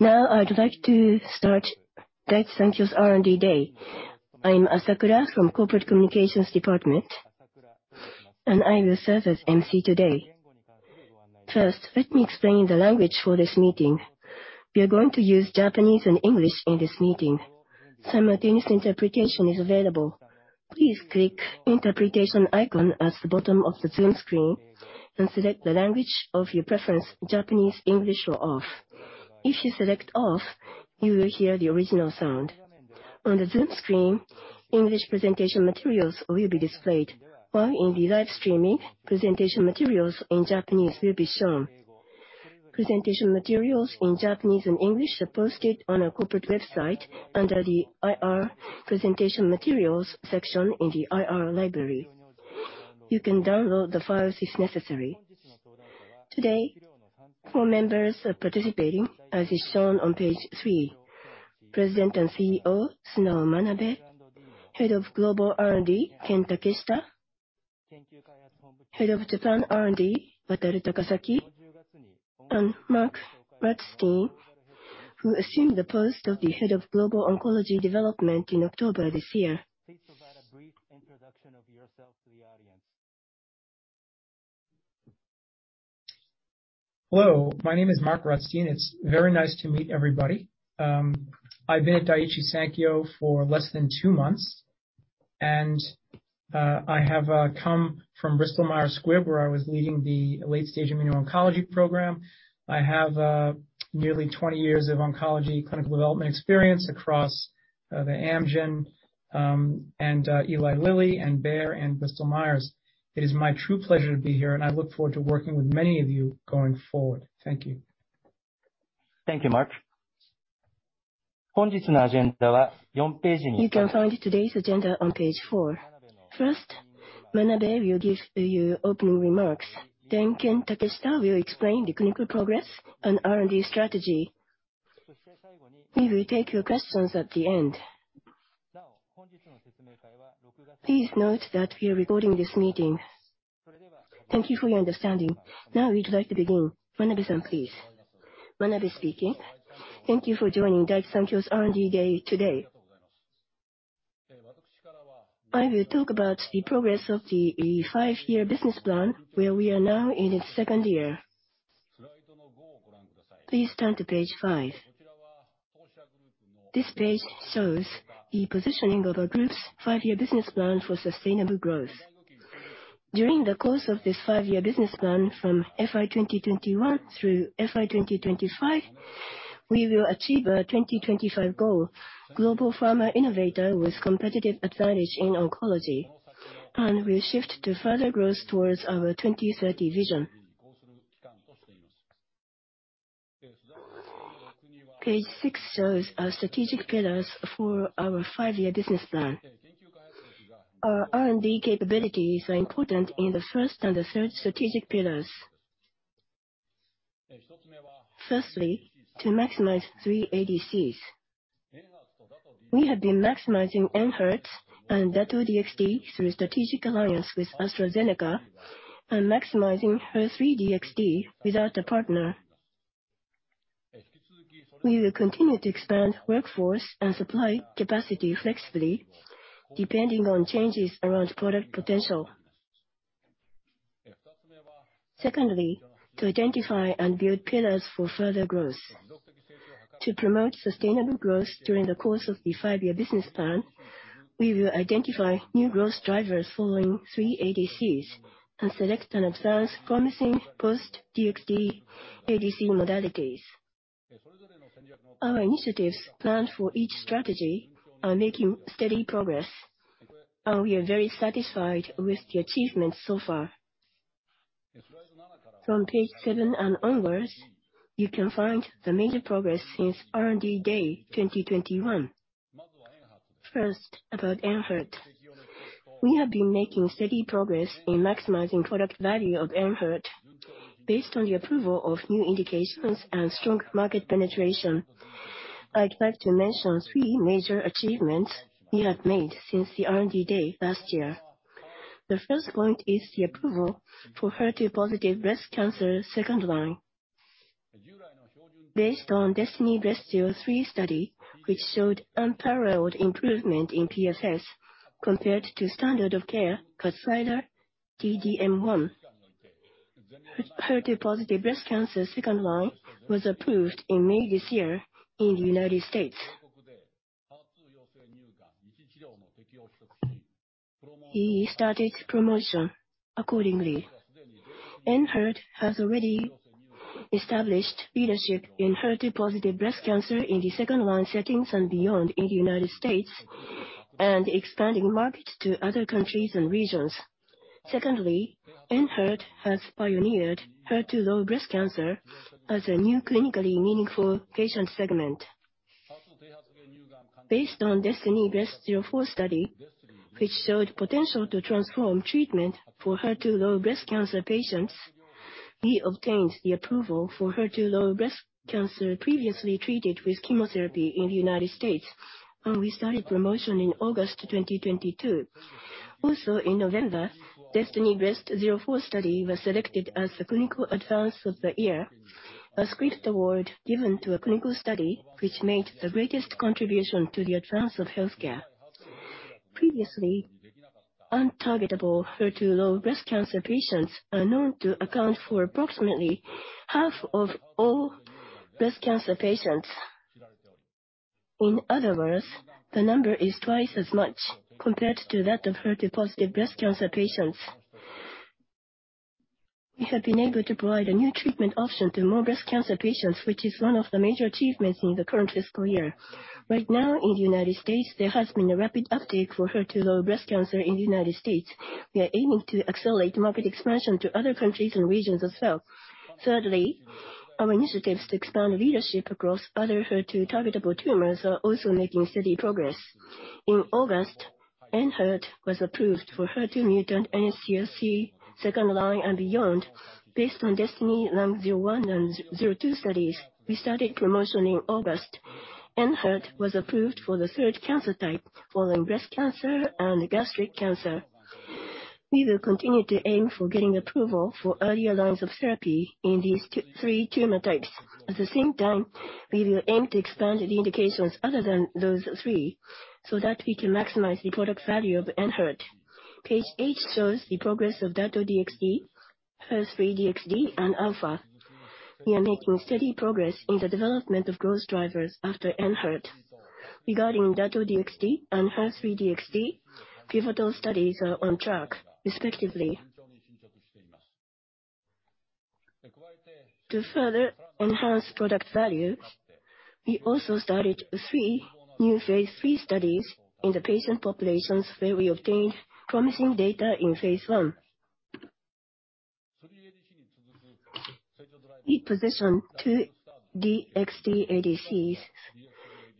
I'd like to start Daiichi Sankyo's R&D Day. I'm Asakura from Corporate Communications Department. I will serve as emcee today. Let me explain the language for this meeting. We are going to use Japanese and English in this meeting. Simultaneous interpretation is available. Please click interpretation icon at the bottom of the Zoom screen. Select the language of your preference, Japanese, English, or off. If you select off, you will hear the original sound. On the Zoom screen, English presentation materials will be displayed, while in the live streaming, presentation materials in Japanese will be shown. Presentation materials in Japanese and English are posted on our corporate website under the IR Presentation Materials section in the IR Library. You can download the files if necessary. Four members are participating, as is shown on page three. President and CEO, Sunao Manabe. Head of Global R&D, Ken Takeshita. Head of Japan R&D, Wataru Takasaki. Mark Rutstein, who assumed the post of the Head of Global Oncology Development in October this year. Please provide a brief introduction of yourself to the audience. Hello, my name is Mark Rutstein. It's very nice to meet everybody. I've been at Daiichi Sankyo for less than two months. I have come from Bristol Myers Squibb, where I was leading the late-stage immuno-oncology program. I have nearly 20 years of oncology clinical development experience across the Amgen, Eli Lilly, Bayer, and Bristol Myers. It is my true pleasure to be here, and I look forward to working with many of you going forward. Thank you. Thank you, Mark. You can find today's agenda on page four. First, Manabe will give you opening remarks. Ken Takeshita will explain the clinical progress and R&D strategy. We will take your questions at the end. Please note that we are recording this meeting. Thank you for your understanding. Now we'd like to begin. Manabe-san, please. Manabe speaking. Thank you for joining Daiichi Sankyo's R&D Day today. I will talk about the progress of the five-year business plan, where we are now in its second year. Please turn to page five. This page shows the positioning of our group's five-year business plan for sustainable growth. During the course of this five-year business plan from FY 2021 through FY 2025, we will achieve our 2025 goal. Global pharma innovator with competitive advantage in oncology, and we'll shift to further growth towards our 2030 vision. Page six shows our strategic pillars for our five-year business plan. Our R&D capabilities are important in the first and the third strategic pillars. Firstly, to maximize 3 ADCs. We have been maximizing ENHERTU and Dato-DXd through strategic alliance with AstraZeneca and maximizing HER3-DXd without a partner. We will continue to expand workforce and supply capacity flexibly depending on changes around product potential. Secondly, to identify and build pillars for further growth. To promote sustainable growth during the course of the 5-year business plan, we will identify new growth drivers following 3 ADCs and select and advance promising post-DXd ADC modalities. Our initiatives planned for each strategy are making steady progress. We are very satisfied with the achievements so far. From page 7 and onwards, you can find the major progress since R&D Day 2021. First, about ENHERTU. We have been making steady progress in maximizing product value of ENHERTU. Based on the approval of new indications and strong market penetration, I'd like to mention three major achievements we have made since the R&D Day last year. The first point is the approval for HER2-positive breast cancer second-line. Based on DESTINY-Breast03 study, which showed unparalleled improvement in PSS compared to standard of care, Kadcyla T-DM1. HER2-positive breast cancer second-line was approved in May this year in the United States. We started promotion accordingly. ENHERTU has already established leadership in HER2-positive breast cancer in the second-line settings and beyond in the United States and expanding market to other countries and regions. Secondly, ENHERTU has pioneered HER2-low breast cancer as a new clinically meaningful patient segment. Based on DESTINY-Breast04 study-Which showed potential to transform treatment for HER2-low breast cancer patients. We obtained the approval for HER2-low breast cancer previously treated with chemotherapy in the United States. We started promotion in August 2022. In November, DESTINY-Breast04 study was selected as the Clinical Advance of the Year. A script award given to a clinical study which made the greatest contribution to the advance of healthcare. Previously, untargetable HER2-low breast cancer patients are known to account for approximately half of all breast cancer patients. In other words, the number is twice as much compared to that of HER2-positive breast cancer patients. We have been able to provide a new treatment option to more breast cancer patients, which is one of the major achievements in the current fiscal year. Right now, in the United States, there has been a rapid uptake for HER2-low breast cancer in the United States. We are aiming to accelerate market expansion to other countries and regions as well. Thirdly, our initiatives to expand leadership across other HER2 targetable tumors are also making steady progress. In August, ENHERTU was approved for HER2-mutant NSCLC second line and beyond based on DESTINY-Lung01 and DESTINY-Lung02 studies. We started promotion in August. ENHERTU was approved for the third cancer type, following breast cancer and gastric cancer. We will continue to aim for getting approval for earlier lines of therapy in these three tumor types. At the same time, we will aim to expand the indications other than those three so that we can maximize the product value of ENHERTU. Page eight shows the progress of Dato-DXd, HER3-DXd and Alpha. We are making steady progress in the development of growth drivers after ENHERTU. Regarding Dato-DXd and HER3-DXd, pivotal studies are on track, respectively. To further enhance product value, we also started three new phase III studies in the patient populations where we obtained promising data in phase I. We positioned two DXd ADCs,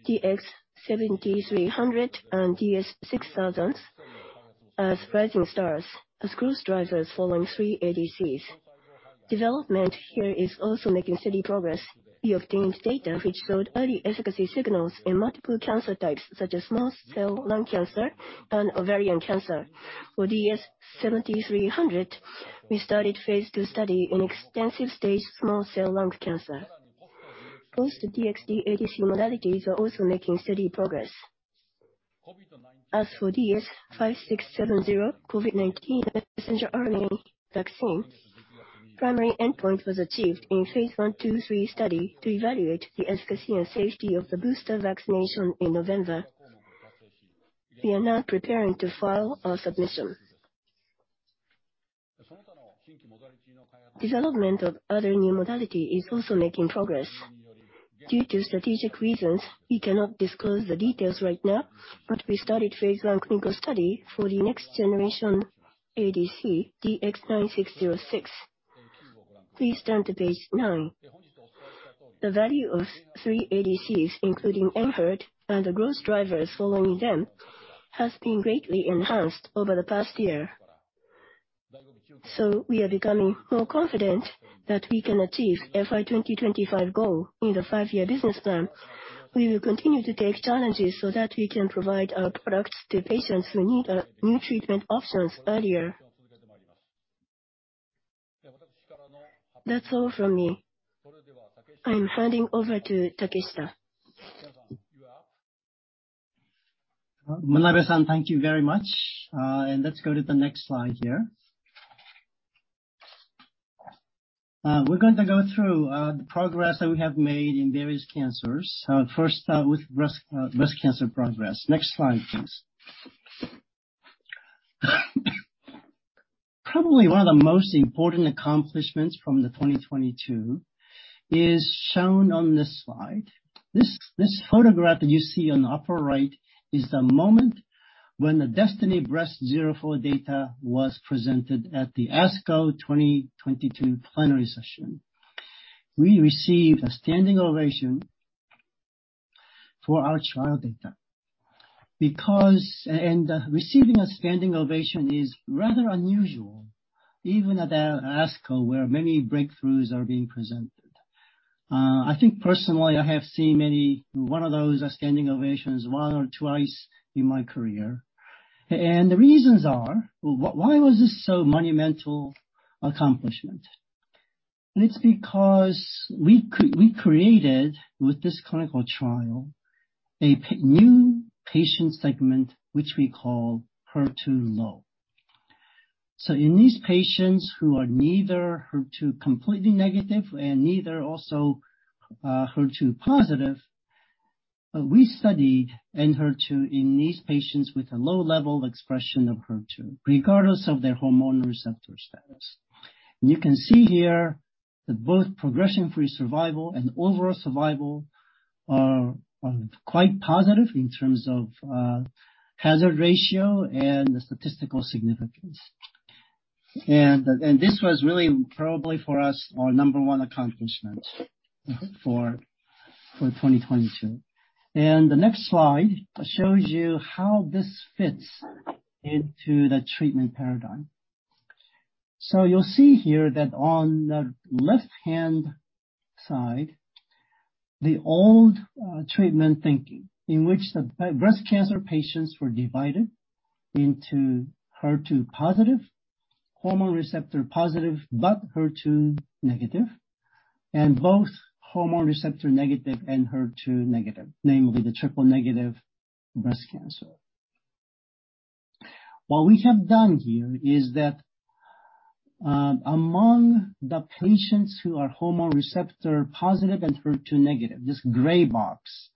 DS-7300 and DS-6000, as rising stars, as growth drivers following 3 ADCs. Development here is also making steady progress. We obtained data which showed early efficacy signals in multiple cancer types such as small cell lung cancer and ovarian cancer. For DS-7300, we started phase II study in extensive stage small cell lung cancer. Post-DXd ADC modalities are also making steady progress. For DS-5670 COVID-19 messenger RNA vaccine, primary endpoint was achieved in phase I, II, III study to evaluate the efficacy and safety of the booster vaccination in November. We are now preparing to file our submission. Development of other new modality is also making progress. Due to strategic reasons, we cannot disclose the details right now. We started phase I clinical study for the next generation ADC, DS-9606. Please turn to page nine. The value of 3 ADCs, including ENHERTU and the growth drivers following them, has been greatly enhanced over the past year. We are becoming more confident that we can achieve FY 2025 goal in the 5-year business plan. We will continue to take challenges so that we can provide our products to patients who need new treatment options earlier. That's all from me. I am handing over to Takeshita. Manabe-san, thank you very much. Let's go to the next slide here. We're going to go through the progress that we have made in various cancers. First, with breast cancer progress. Next slide, please. Probably one of the most important accomplishments from 2022 is shown on this slide. This photograph that you see on the upper right is the moment when the DESTINY-Breast04 data was presented at the ASCO 2022 plenary session. We received a standing ovation for our trial data because... receiving a standing ovation is rather unusual, even at ASCO, where many breakthroughs are being presented. I think personally, I have seen one of those standing ovations one or twice in my career. The reasons are, why was this so monumental accomplishment? It's because we created, with this clinical trial, a new patient segment which we call HER2-low. In these patients who are neither HER2 completely negative and neither also, HER2-positive. We studied ENHERTU in these patients with a low level expression of HER2, regardless of their hormone receptor status. You can see here that both progression-free survival and overall survival are quite positive in terms of hazard ratio and statistical significance. This was really probably for us, our number one accomplishment for 2022. The next slide shows you how this fits into the treatment paradigm. You'll see here that on the left-hand side, the old treatment thinking, in which the breast cancer patients were divided into HER2-positive, hormone receptor positive but HER2-negative, and both hormone receptor negative and HER2-negative, namely the triple-negative breast cancer. What we have done here is that, among the patients who are hormone receptor positive and HER2-negative, this gray box,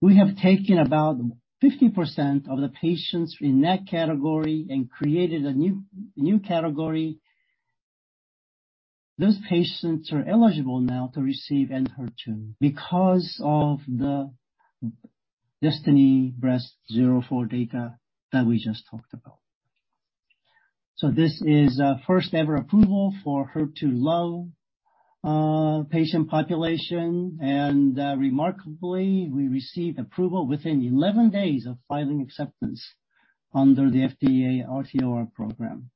we have taken about 50% of the patients in that category and created a new category. Those patients are eligible now to receive ENHERTU because of the DESTINY-Breast04 data that we just talked about. This is first ever approval for HER2-low patient population, remarkably, we received approval within 11 days of filing acceptance under the FDA RTOR program.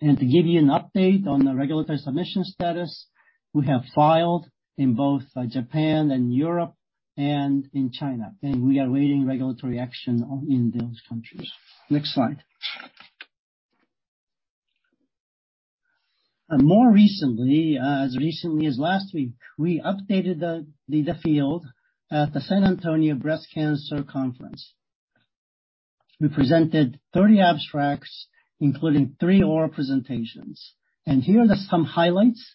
To give you an update on the regulatory submission status, we have filed in both Japan and Europe and in China, and we are awaiting regulatory action in those countries. Next slide. More recently, as recently as last week, we updated the field at the San Antonio Breast Cancer Conference. We presented 30 abstracts, including three oral presentations. Here are some highlights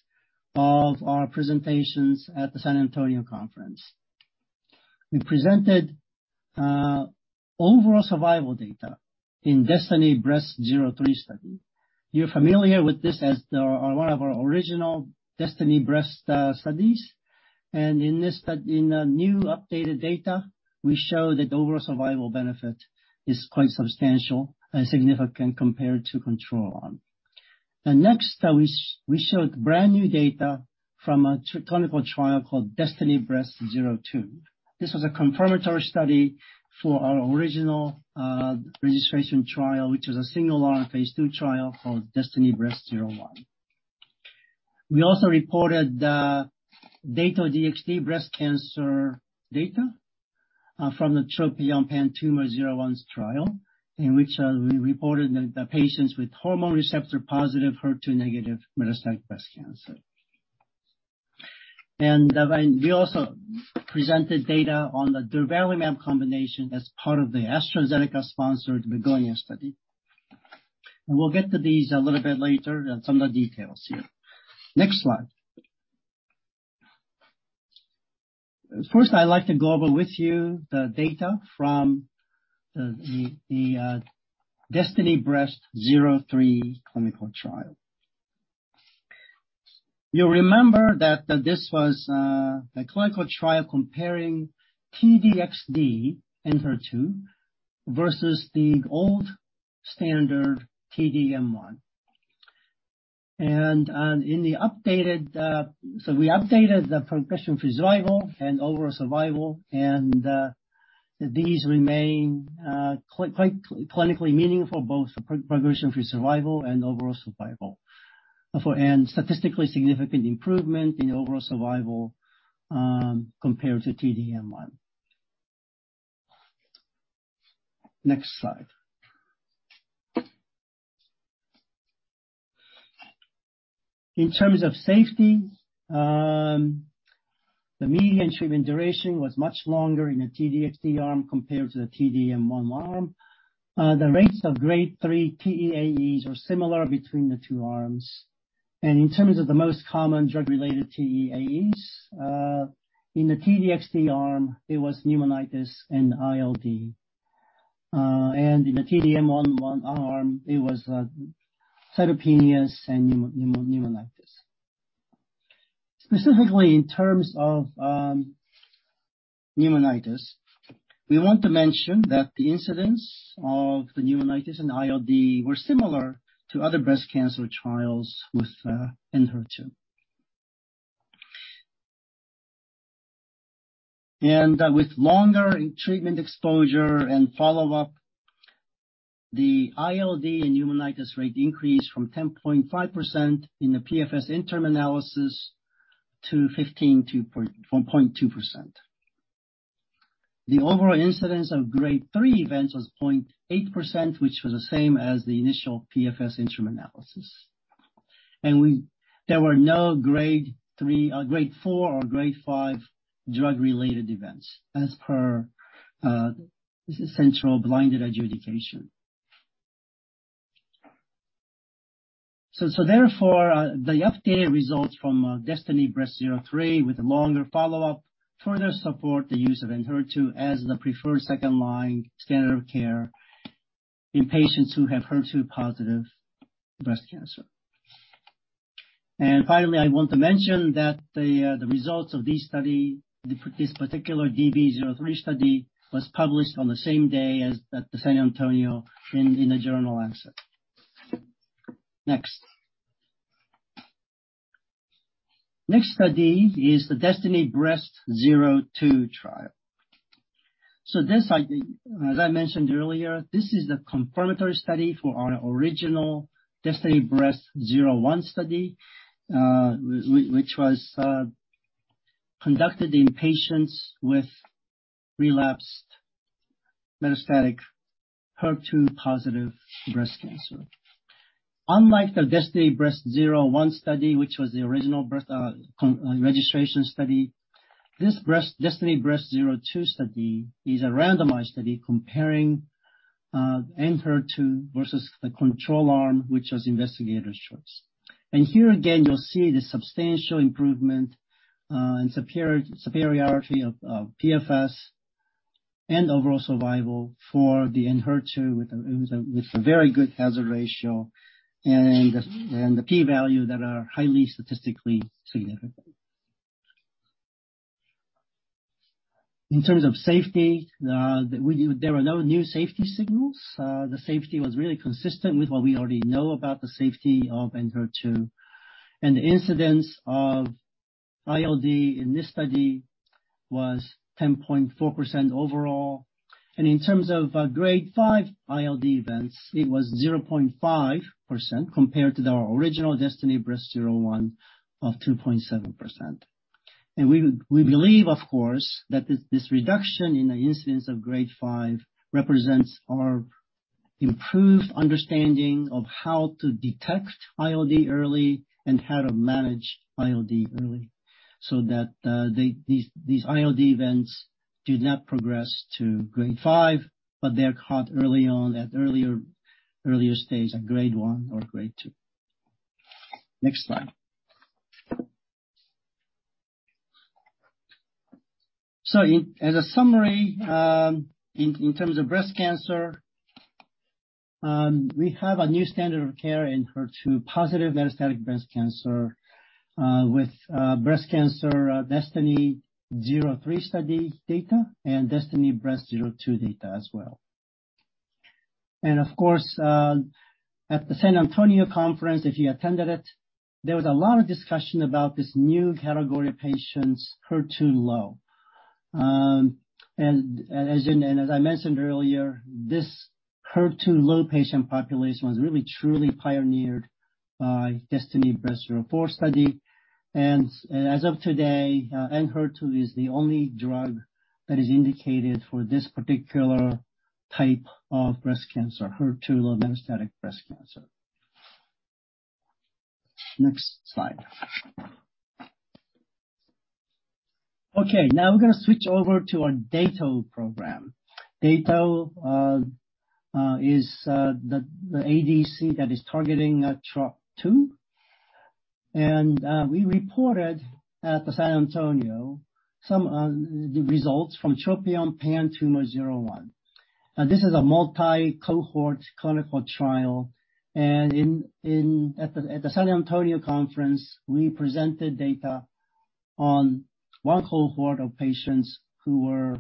of our presentations at the San Antonio Conference. We presented overall survival data in DESTINY-Breast03 study. You're familiar with this as the one of our original DESTINY-Breast studies. In a new updated data, we show that the overall survival benefit is quite substantial and significant compared to control arm. Next, we showed brand-new data from a clinical trial called DESTINY-Breast02. This was a confirmatory study for our original registration trial, which was a single-arm phase II trial called DESTINY-Breast01. We also reported data on DXd breast cancer data from the TROPION-PanTumor01 trial, in which we reported the patients with hormone receptor positive, HER2-negative metastatic breast cancer. We also presented data on the durvalumab combination as part of the AstraZeneca-sponsored BEGONIA study. We'll get to these a little bit later, and some of the details here. Next slide. First, I'd like to go over with you the data from the DESTINY-Breast03 clinical trial. You'll remember that this was a clinical trial comparing T-DXd ENHERTU versus the old standard T-DM1. We updated the progression-free survival and overall survival, and these remain quite clinically meaningful, both progression-free survival and overall survival. For an statistically significant improvement in overall survival, compared to T-DM1. Next slide. In terms of safety, the mean and treatment duration was much longer in the T-DXd arm compared to the T-DM1 arm. The rates of grade 3 TEAEs were similar between the two arms. In terms of the most common drug-related TEAEs, in the T-DXd arm, it was pneumonitis and ILD. In the T-DM1 arm, it was cytopenias and pneumonitis. Specifically in terms of pneumonitis, we want to mention that the incidence of the pneumonitis and ILD were similar to other breast cancer trials with ENHERTU. With longer treatment exposure and follow-up, the ILD and pneumonitis rate increased from 10.5% in the PFS interim analysis to 15.2%. The overall incidence of grade 3 events was 0.8%, which was the same as the initial PFS interim analysis. There were no grade 3 or grade 4 or grade 5 drug-related events as per central blinded adjudication. Therefore, the updated results from DESTINY-Breast03 with longer follow-up further support the use of ENHERTU as the preferred second-line standard of care in patients who have HER2-positive breast cancer. Finally, I want to mention that the results of this study, this particular DB03 study, was published on the same day as at the San Antonio in the journal access. Next study is the DESTINY-Breast02 trial. This, as I mentioned earlier, this is a confirmatory study for our original DESTINY-Breast01 study, which was conducted in patients with relapsed metastatic HER2-positive breast cancer. Unlike the DESTINY-Breast01 study, which was the original breast registration study, DESTINY-Breast02 study is a randomized study comparing ENHERTU versus the control arm, which was investigator's choice. Here again, you'll see the substantial improvement and superiority of PFS and overall survival for the ENHERTU with a very good hazard ratio and the P value that are highly statistically significant. In terms of safety, there are no new safety signals. The safety was really consistent with what we already know about the safety of ENHERTU. The incidence of ILD in this study was 10.4% overall, and in terms of Grade 5 ILD events, it was 0.5% compared to our original DESTINY-Breast01 of 2.7%. We believe, of course, that this reduction in the incidence of grade 5 represents our improved understanding of how to detect ILD early and how to manage ILD early, so that these ILD events do not progress to grade 5, but they're caught early on at earlier stage at grade 1 or grade 2. Next slide. In, as a summary, in terms of breast cancer, we have a new standard of care in HER2-positive metastatic breast cancer, with breast cancer DESTINY-Breast03 study data and DESTINY-Breast02 data as well. Of course, at the San Antonio Conference, if you attended it, there was a lot of discussion about this new category of patients, HER2-low. As I mentioned earlier, this HER2-low patient population was really truly pioneered by DESTINY-Breast04 study. As of today, ENHERTU is the only drug that is indicated for this particular type of breast cancer, HER2-low metastatic breast cancer. Next slide. Okay, now we're gonna switch over to our Dato program. Dato is the ADC that is targeting TROP2. We reported at the San Antonio some results from TROPION-PanTumor01. Now, this is a multi-cohort clinical trial, at the San Antonio Conference, we presented data on one cohort of patients who were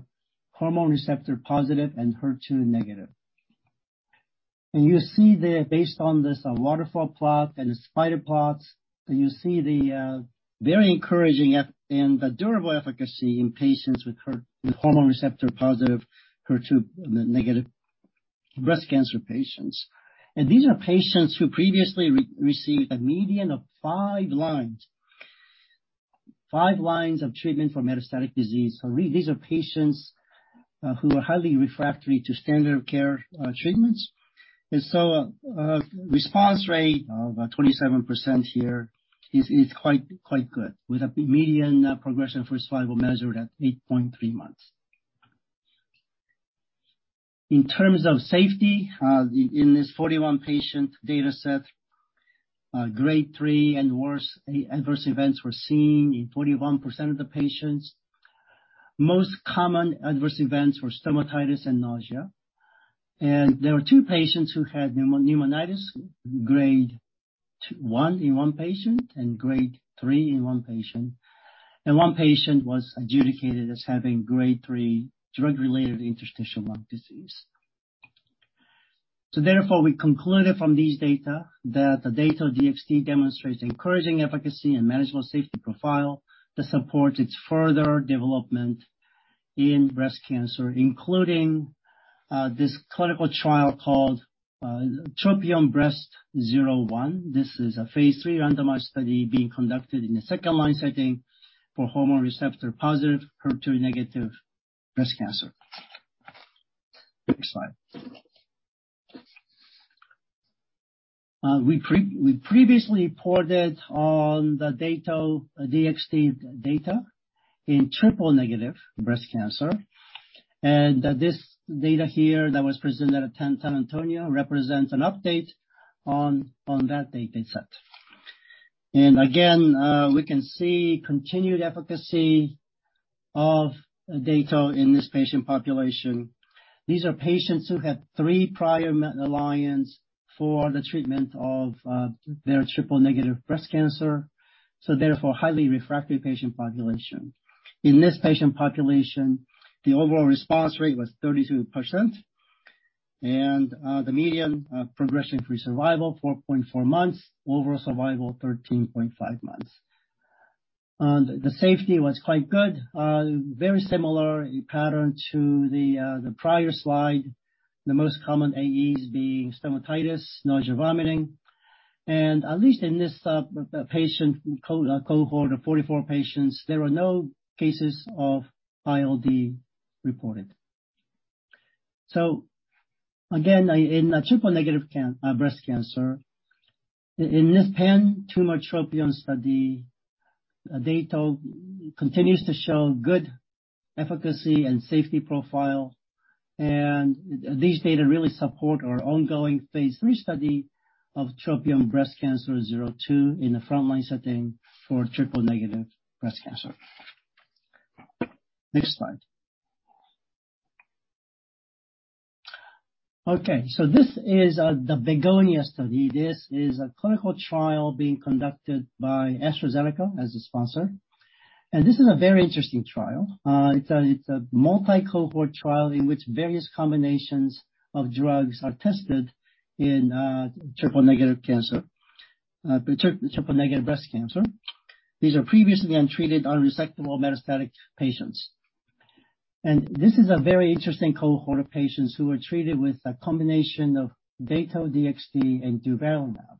hormone receptor-positive and HER2-negative. You see there, based on this waterfall plot and the spider plots, you see the very encouraging and durable efficacy in patients with hormone receptor-positive, HER2-negative breast cancer patients. These are patients who previously received a median of five lines of treatment for metastatic disease. These are patients who are highly refractory to standard of care treatments. Response rate of 27% here is quite good. With a median progression-free survival measured at 8.3 months. In terms of safety, the, in this 41 patient data set, grade 3 and worse adverse events were seen in 41% of the patients. Most common adverse events were stomatitis and nausea. There were two patients who had pneumonitis, grade 1 in one patient and grade 3 in one patient. One patient was adjudicated as having grade 3 drug-related interstitial lung disease. Therefore, we concluded from these data that the Dato-DXd demonstrates encouraging efficacy and manageable safety profile to support its further development in breast cancer, including this clinical trial called TROPION-Breast01. This is a phase III randomized study being conducted in a second-line setting for hormone receptor-positive, HER2-negative breast cancer. Next slide. We previously reported on the Dato-DXd data in triple-negative breast cancer. This data here that was presented at San Antonio represents an update on that dataset. Again, we can see continued efficacy of data in this patient population. These are patients who had three prior metal ions for the treatment of their triple-negative breast cancer. Therefore, highly refractory patient population. In this patient population, the overall response rate was 32%. The median progression-free survival, 4.4 months. Overall survival, 13.5 months. The safety was quite good. Very similar pattern to the prior slide. The most common AEs being stomatitis, nausea, vomiting. At least in this patient cohort of 44 patients, there were no cases of ILD reported. Again, in a triple negative breast cancer, in this TROPION-PanTumor01 study, data continues to show good efficacy and safety profile. These data really support our ongoing phase III study of TROPION-Breast02 in the frontline setting for triple negative breast cancer. Next slide. Okay, this is the BEGONIA study. This is a clinical trial being conducted by AstraZeneca as a sponsor. This is a very interesting trial. It's a multi-cohort trial in which various combinations of drugs are tested in triple negative cancer, triple negative breast cancer. These are previously untreated or resectable metastatic patients. This is a very interesting cohort of patients who were treated with a combination of Dato-DXd and durvalumab.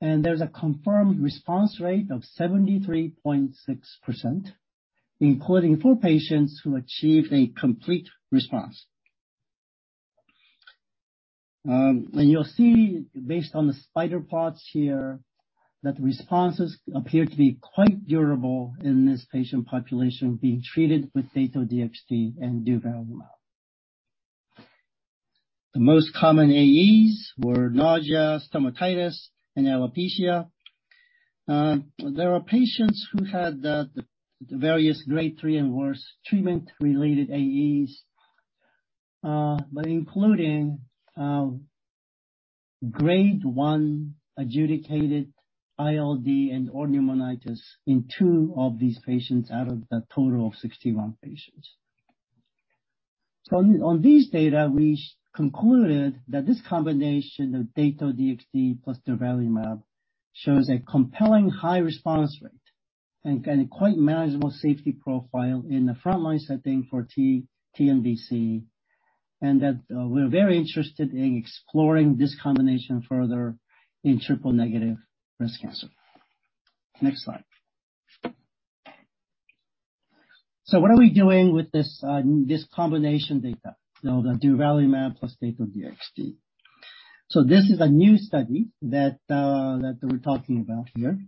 There's a confirmed response rate of 73.6%, including four patients who achieved a complete response. You'll see, based on the spider plots here, that responses appear to be quite durable in this patient population being treated with Dato-DXd and durvalumab. The most common AEs were nausea, stomatitis, and alopecia. There are patients who had the various grade 3 and worse treatment-related AEs, but including grade 1 adjudicated ILD and/or pneumonitis in two of these patients out of the total of 61 patients. On this data, we concluded that this combination of Dato-DXd plus durvalumab shows a compelling high response rate and a quite manageable safety profile in the frontline setting for TNBC, and that we're very interested in exploring this combination further in triple negative breast cancer. Next slide. What are we doing with this combination data? The durvalumab plus Dato-DXd. This is a new study that we're talking about here.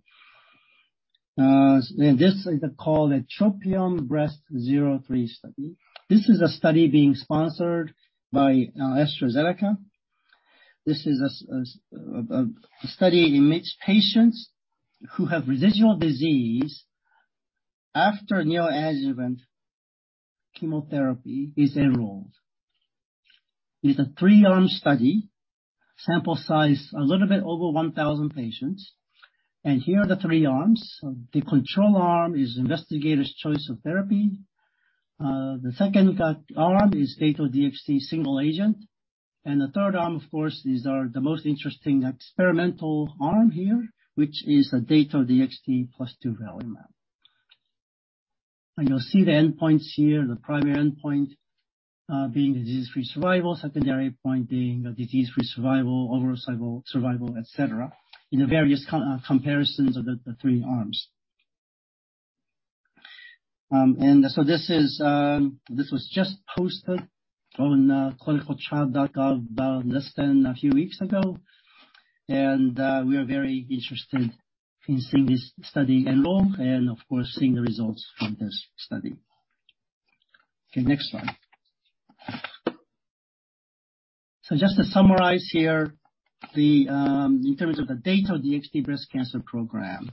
This is called a TROPION-Breast03 study. This is a study being sponsored by AstraZeneca. This is a study in which patients who have residual disease after neoadjuvant chemotherapy is enrolled. It's a three-arm study, sample size a little bit over 1,000 patients. Here are the three arms. The control arm is investigator's choice of therapy. The second arm is Dato-DXd single agent. The third arm, of course, is our, the most interesting experimental arm here, which is the Dato-DXd plus durvalumab. You'll see the endpoints here, the primary endpoint being disease-free survival, secondary endpoint being disease-free survival, overall survival, et cetera, in the various comparisons of the three arms. This is, this was just posted on ClinicalTrials.gov about less than a few weeks ago. We are very interested in seeing this study enroll and, of course, seeing the results from this study. Okay, next slide. Just to summarize here, in terms of the Dato-DXd breast cancer program,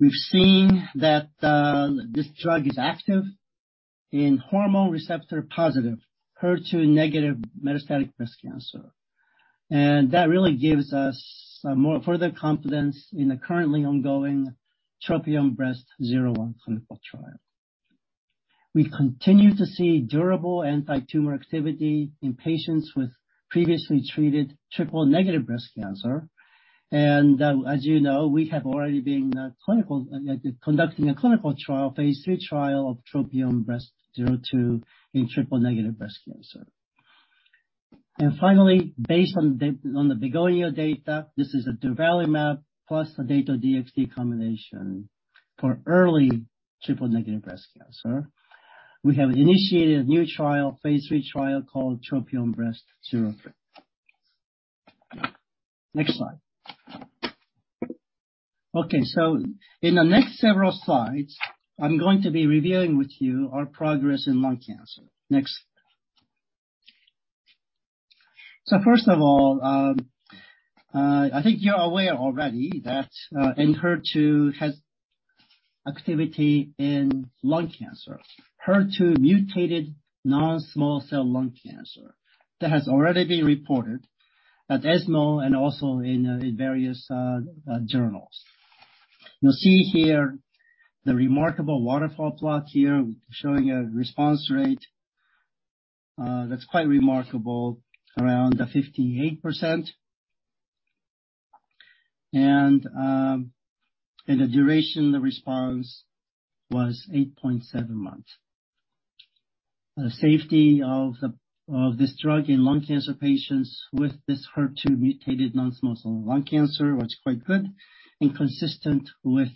we've seen that this drug is active in hormone receptor-positive, HER2-negative metastatic breast cancer. That really gives us more further confidence in the currently ongoing TROPION-Breast01 clinical trial. We continue to see durable anti-tumor activity in patients with previously treated triple-negative breast cancer. As you know, we have already been conducting a clinical trial, phase III trial of TROPION-Breast02 in triple-negative breast cancer. Finally, based on the BEGONIA data, this is a durvalumab plus a Dato-DXd combination for early triple-negative breast cancer. We have initiated a new trial, phase III trial called TROPION-Breast03. Next slide. In the next several slides, I'm going to be reviewing with you our progress in lung cancer. Next slide. First of all, I think you're aware already that ENHERTU has activity in lung cancer. ENHERTU mutated non-small cell lung cancer that has already been reported at ESMO and also in various journals. You'll see here the remarkable waterfall plot here showing a response rate that's quite remarkable, around 58%. The duration of the response was 8.7 months. The safety of this drug in lung cancer patients with this ENHERTU mutated non-small cell lung cancer was quite good and consistent with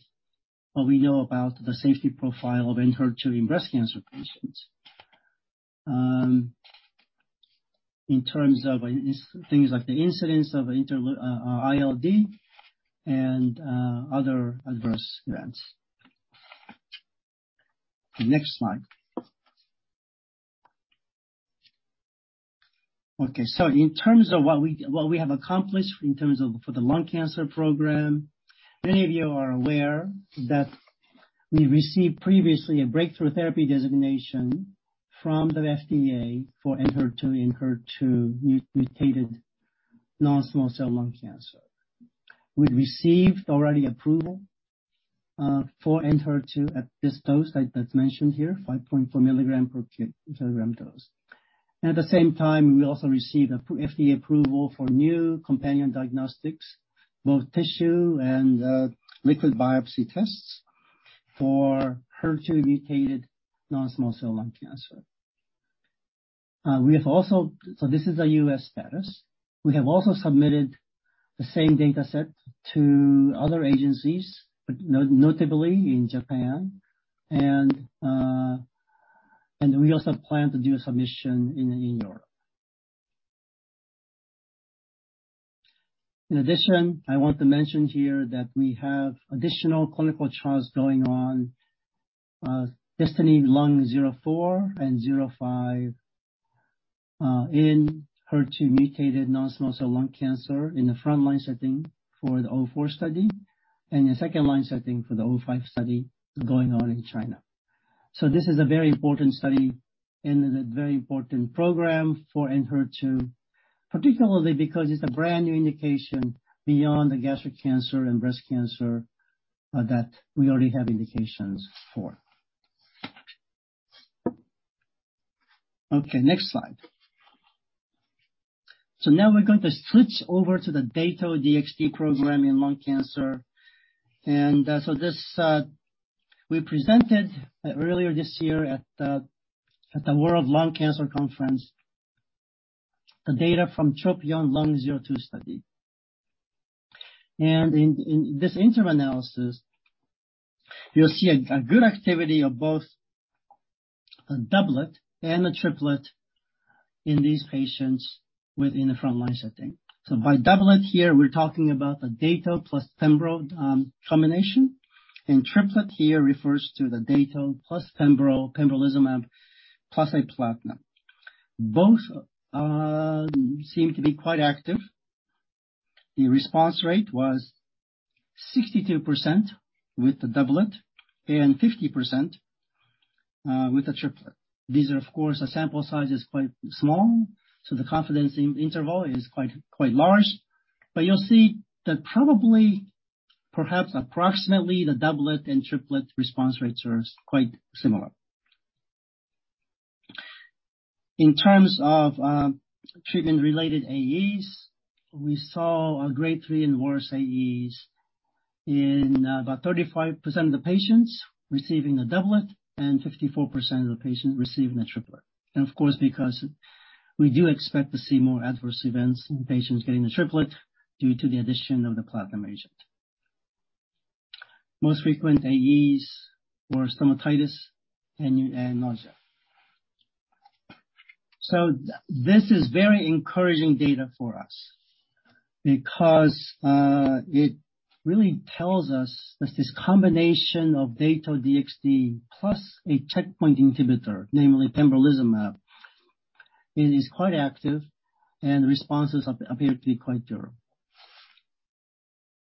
what we know about the safety profile of ENHERTU in breast cancer patients, in terms of things like the incidence of ILD and other adverse events. The next slide. Okay, in terms of what we, what we have accomplished in terms of for the lung cancer program, many of you are aware that we received previously a Breakthrough Therapy Designation from the FDA for ENHERTU in ENHERTU mutated non-small cell lung cancer. We've received already approval for ENHERTU at this dose that's mentioned here, 5.4 mg per kg dose. At the same time, we also received a FDA approval for new companion diagnostics, both tissue and liquid biopsy tests for ENHERTU mutated non-small cell lung cancer. We have also. This is a U.S. status. We have also submitted the same dataset to other agencies, notably in Japan and we also plan to do a submission in Europe. In addition, I want to mention here that we have additional clinical trials going on, DESTINY-Lung04 and 05 in HER2 mutated non-small cell lung cancer in the front line setting for the 04 study and the second line setting for the 05 study going on in China. This is a very important study and a very important program for ENHERTU, particularly because it's a brand-new indication beyond the gastric cancer and breast cancer that we already have indications for. Okay, next slide. Now we're going to switch over to the Dato-DXd program in lung cancer. This we presented earlier this year at the World Conference on Lung Cancer, the data from TROPION-Lung02 study. In this interim analysis, you'll see a good activity of both a doublet and a triplet in these patients within the front line setting. By doublet here, we're talking about the Dato plus pembro combination. Triplet here refers to the Dato plus pembro, pembrolizumab plus a platinum. Both seem to be quite active. The response rate was 62% with the doublet and 50% with the triplet. These are, of course, our sample size is quite small, so the confidence in interval is quite large. You'll see that probably, perhaps approximately the doublet and triplet response rates are quite similar. In terms of treatment-related AEs, we saw a grade 3 and worse AEs in about 35% of the patients receiving a doublet and 54% of the patients receiving a triplet. Of course, because we do expect to see more adverse events in patients getting a triplet due to the addition of the platinum agent. Most frequent AEs were stomatitis and nausea. This is very encouraging data for us because it really tells us that this combination of Dato-DXd plus a checkpoint inhibitor, namely pembrolizumab, it is quite active and the responses appear to be quite durable.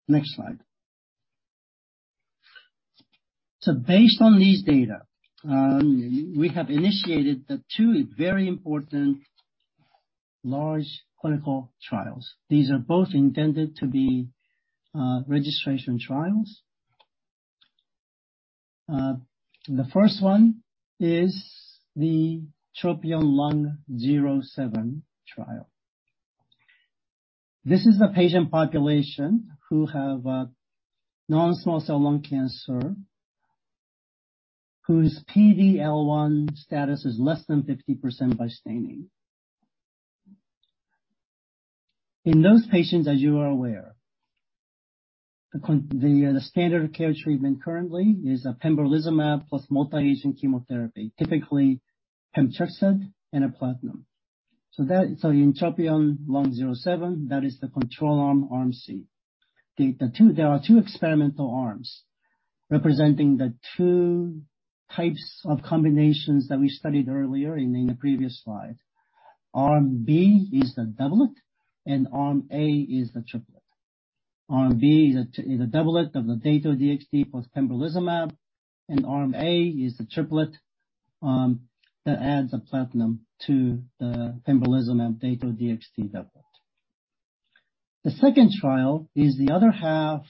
Next slide. Based on these data, we have initiated the two very important large clinical trials. These are both intended to be registration trials. The first one is the TROPION-Lung07 trial. This is a patient population who have non-small cell lung cancer, whose PD-L1 status is less than 50% by staining. In those patients, as you are aware, the standard of care treatment currently is a pembrolizumab plus multi-agent chemotherapy, typically pemetrexed and a platinum. In TROPION-Lung07, that is the control arm C. There are two experimental arms. Representing the two types of combinations that we studied earlier in the previous slide. Arm B is the doublet and arm A is the triplet. Arm B is a doublet of the Dato-DXd plus pembrolizumab, and arm A is the triplet that adds a platinum to the pembrolizumab Dato-DXd doublet. The second trial is the other half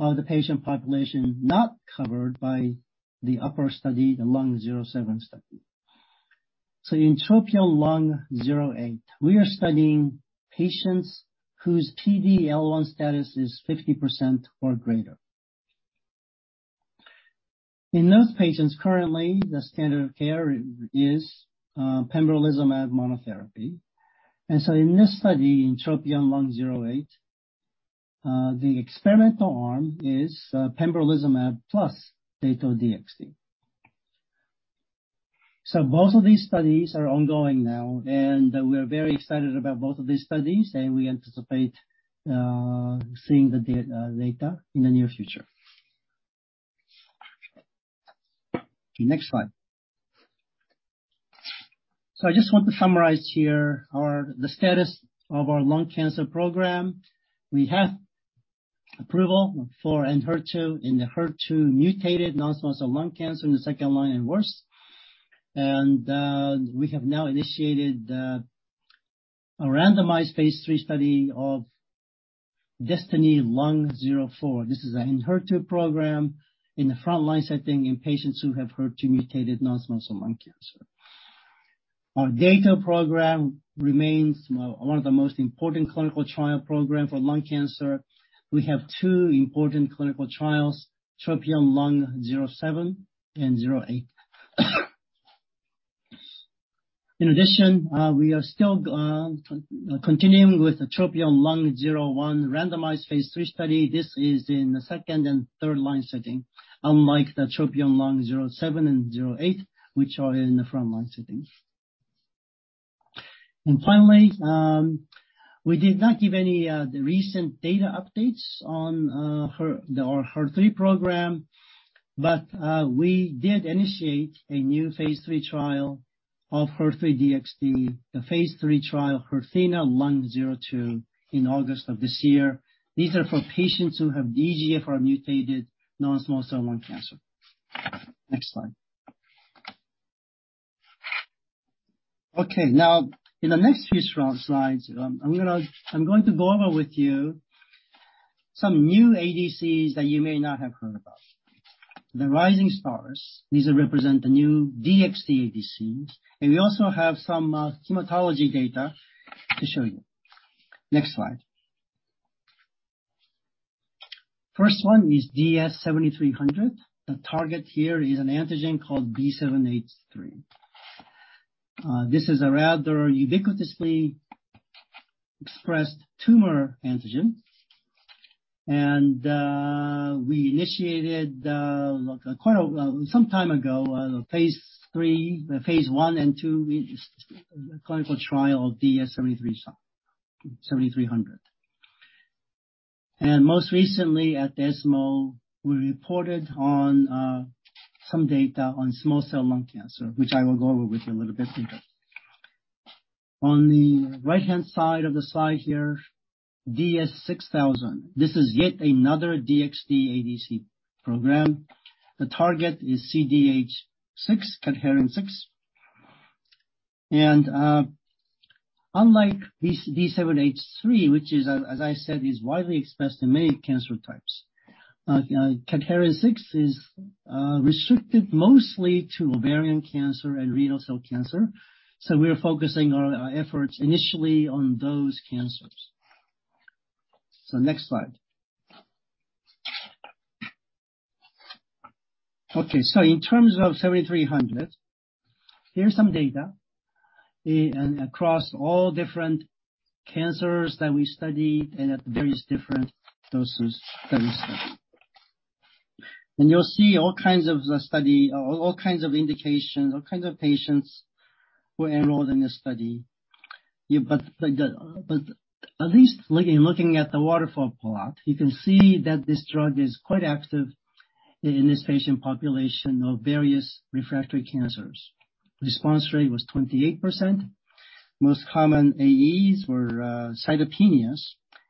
of the patient population not covered by the upper study, the Lung-07 study. In TROPION-Lung08, we are studying patients whose PD-L1 status is 50% or greater. In those patients, currently, the standard of care is pembrolizumab monotherapy. In this study, in TROPION-Lung08, the experimental arm is pembrolizumab plus Dato-DXd. Both of these studies are ongoing now, and we are very excited about both of these studies, and we anticipate seeing the data in the near future. Next slide. I just want to summarize here our, the status of our lung cancer program. We have approval for ENHERTU in the HER2-mutated non-small cell lung cancer in the second line and worse. We have now initiated a randomized phase III study of DESTINY-Lung04. This is an ENHERTU program in the front-line setting in patients who have HER2-mutated non-small cell lung cancer. Our Dato program remains one of the most important clinical trial program for lung cancer. We have two important clinical trials, TROPION-Lung07 and 08. In addition, we are still continuing with the TROPION-Lung01 randomized phase III study. This is in the second and third-line setting, unlike the TROPION-Lung07 and 08, which are in the front-line settings. Finally, we did not give any recent data updates on our HER3 program, but we did initiate a new phase III trial of HER3-DXd, the phase III trial, HERTHENA-Lung02, in August of this year. These are for patients who have EGFR-mutated non-small cell lung cancer. Next slide. Okay, now in the next few slides, I'm going to go over with you some new ADCs that you may not have heard about. The rising stars. These represent the new DXd ADCs, and we also have some hematology data to show you. Next slide. First one is DS-7300. The target here is an antigen called B7-H3. This is a rather ubiquitously expressed tumor antigen. We initiated quite a while, some time ago, phase III, phase I and II clinical trial of DS-7300. Most recently at ESMO, we reported on some data on SCLC, which I will go over with you a little bit later. On the right-hand side of the slide here, DS-6000. This is yet another DXd ADC program. The target is CDH6, Cadherin-6. Unlike B7-H3, which is, as I said, is widely expressed in many cancer types, Cadherin-6 is restricted mostly to ovarian cancer and renal cell cancer, so we are focusing our efforts initially on those cancers. Next slide. In terms of 7300, here's some data and across all different cancers that we studied and at various different doses that we studied. You'll see all kinds of the study, all kinds of indications, all kinds of patients who are enrolled in this study. At least looking at the waterfall plot, you can see that this drug is quite active in this patient population of various refractory cancers. Response rate was 28%. Most common AEs were cytopenias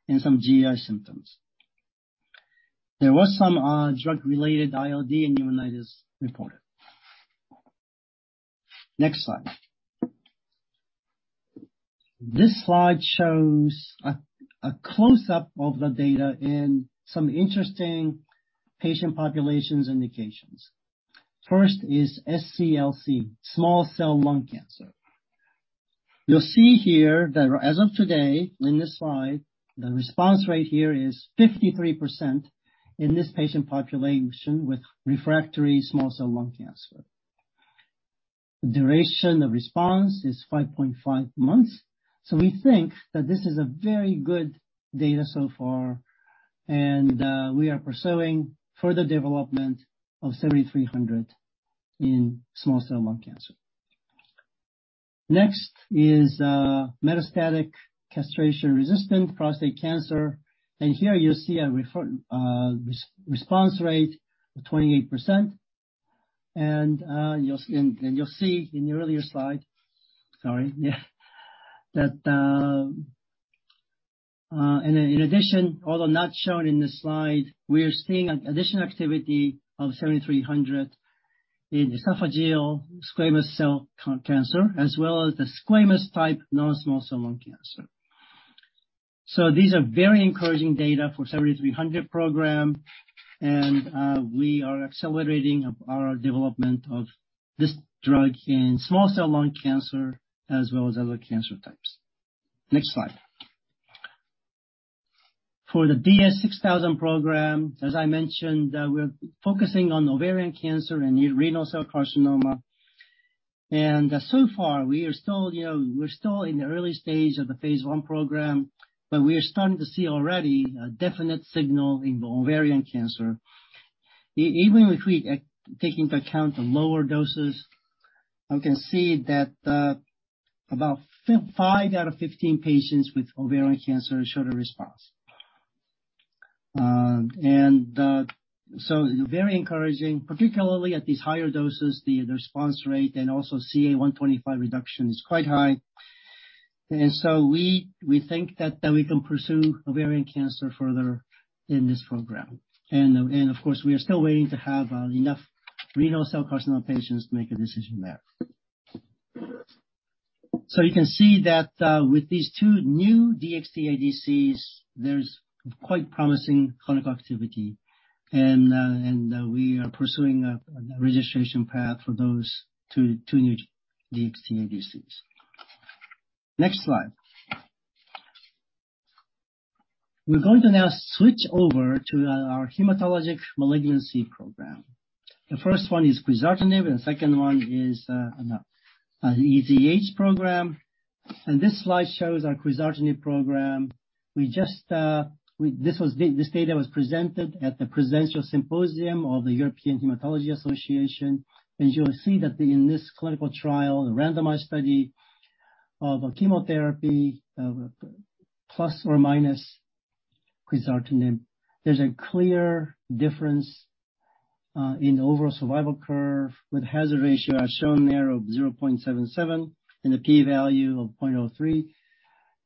and some GI symptoms. There was some drug-related ILD and pneumonitis reported. Next slide. This slide shows a close-up of the data in some interesting patient populations indications. First is SCLC, small cell lung cancer. You'll see here that as of today, in this slide, the response rate here is 53% in this patient population with refractory small cell lung cancer. The duration of response is 5.5 months. We think that this is a very good data so far, and we are pursuing further development of DS-7300 in small cell lung cancer. Next is metastatic castration-resistant prostate cancer. Here you see a response rate of 28%. You'll see in the earlier slide, sorry, that in addition, although not shown in this slide, we are seeing an additional activity of DS-7300 in esophageal squamous cell cancer as well as the squamous type non-small cell lung cancer. These are very encouraging data for DS-7300 program, we are accelerating our development of this drug in small cell lung cancer as well as other cancer types. Next slide. For the DS-6000 program, as I mentioned, we're focusing on ovarian cancer and renal cell carcinoma. So far we are still, you know, we're still in the early stage of the phase I program, but we are starting to see already a definite signal in ovarian cancer. Even if we take into account the lower doses, you can see that about five out of 15 patients with ovarian cancer showed a response. Very encouraging, particularly at these higher doses, the response rate and also CA-125 reduction is quite high. We think that we can pursue ovarian cancer further in this program. Of course, we are still waiting to have enough renal cell carcinoma patients to make a decision there. You can see that with these two new DXd ADCs, there's quite promising clinical activity and we are pursuing a registration path for those two new DXd ADCs. Next slide. We're going to now switch over to our hematologic malignancy program. The first one is quizartinib and the second one is EZH program. This slide shows our quizartinib program. We just, this data was presented at the Presidential Symposium of the European Hematology Association. As you'll see that in this clinical trial, the randomized study of chemotherapy plus or minus quizartinib, there's a clear difference in the overall survival curve with hazard ratio as shown there of 0.77 and a P value of 0.03.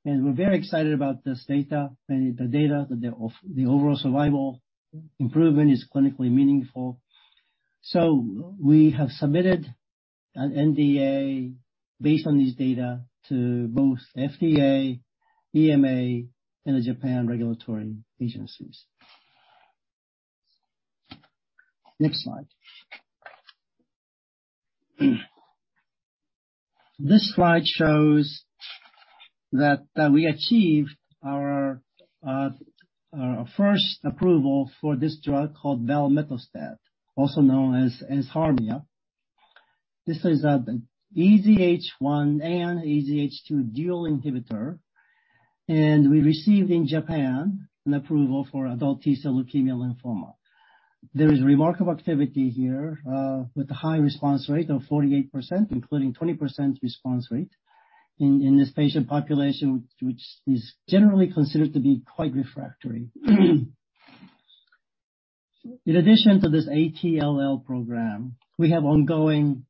We're very excited about this data. The data, the overall survival improvement is clinically meaningful. We have submitted an NDA based on this data to both FDA, EMA and the Japan regulatory agencies. Next slide. This slide shows that we achieved our first approval for this drug called valemetostat, also known as EZHARMIA. This is EZH1 and EZH2 dual inhibitor, and we received in Japan an approval for adult T-cell leukemia/lymphoma. There is remarkable activity here, with a high response rate of 48%, including 20% response rate in this patient population, which is generally considered to be quite refractory. In addition to this ATLL program, we have ongoing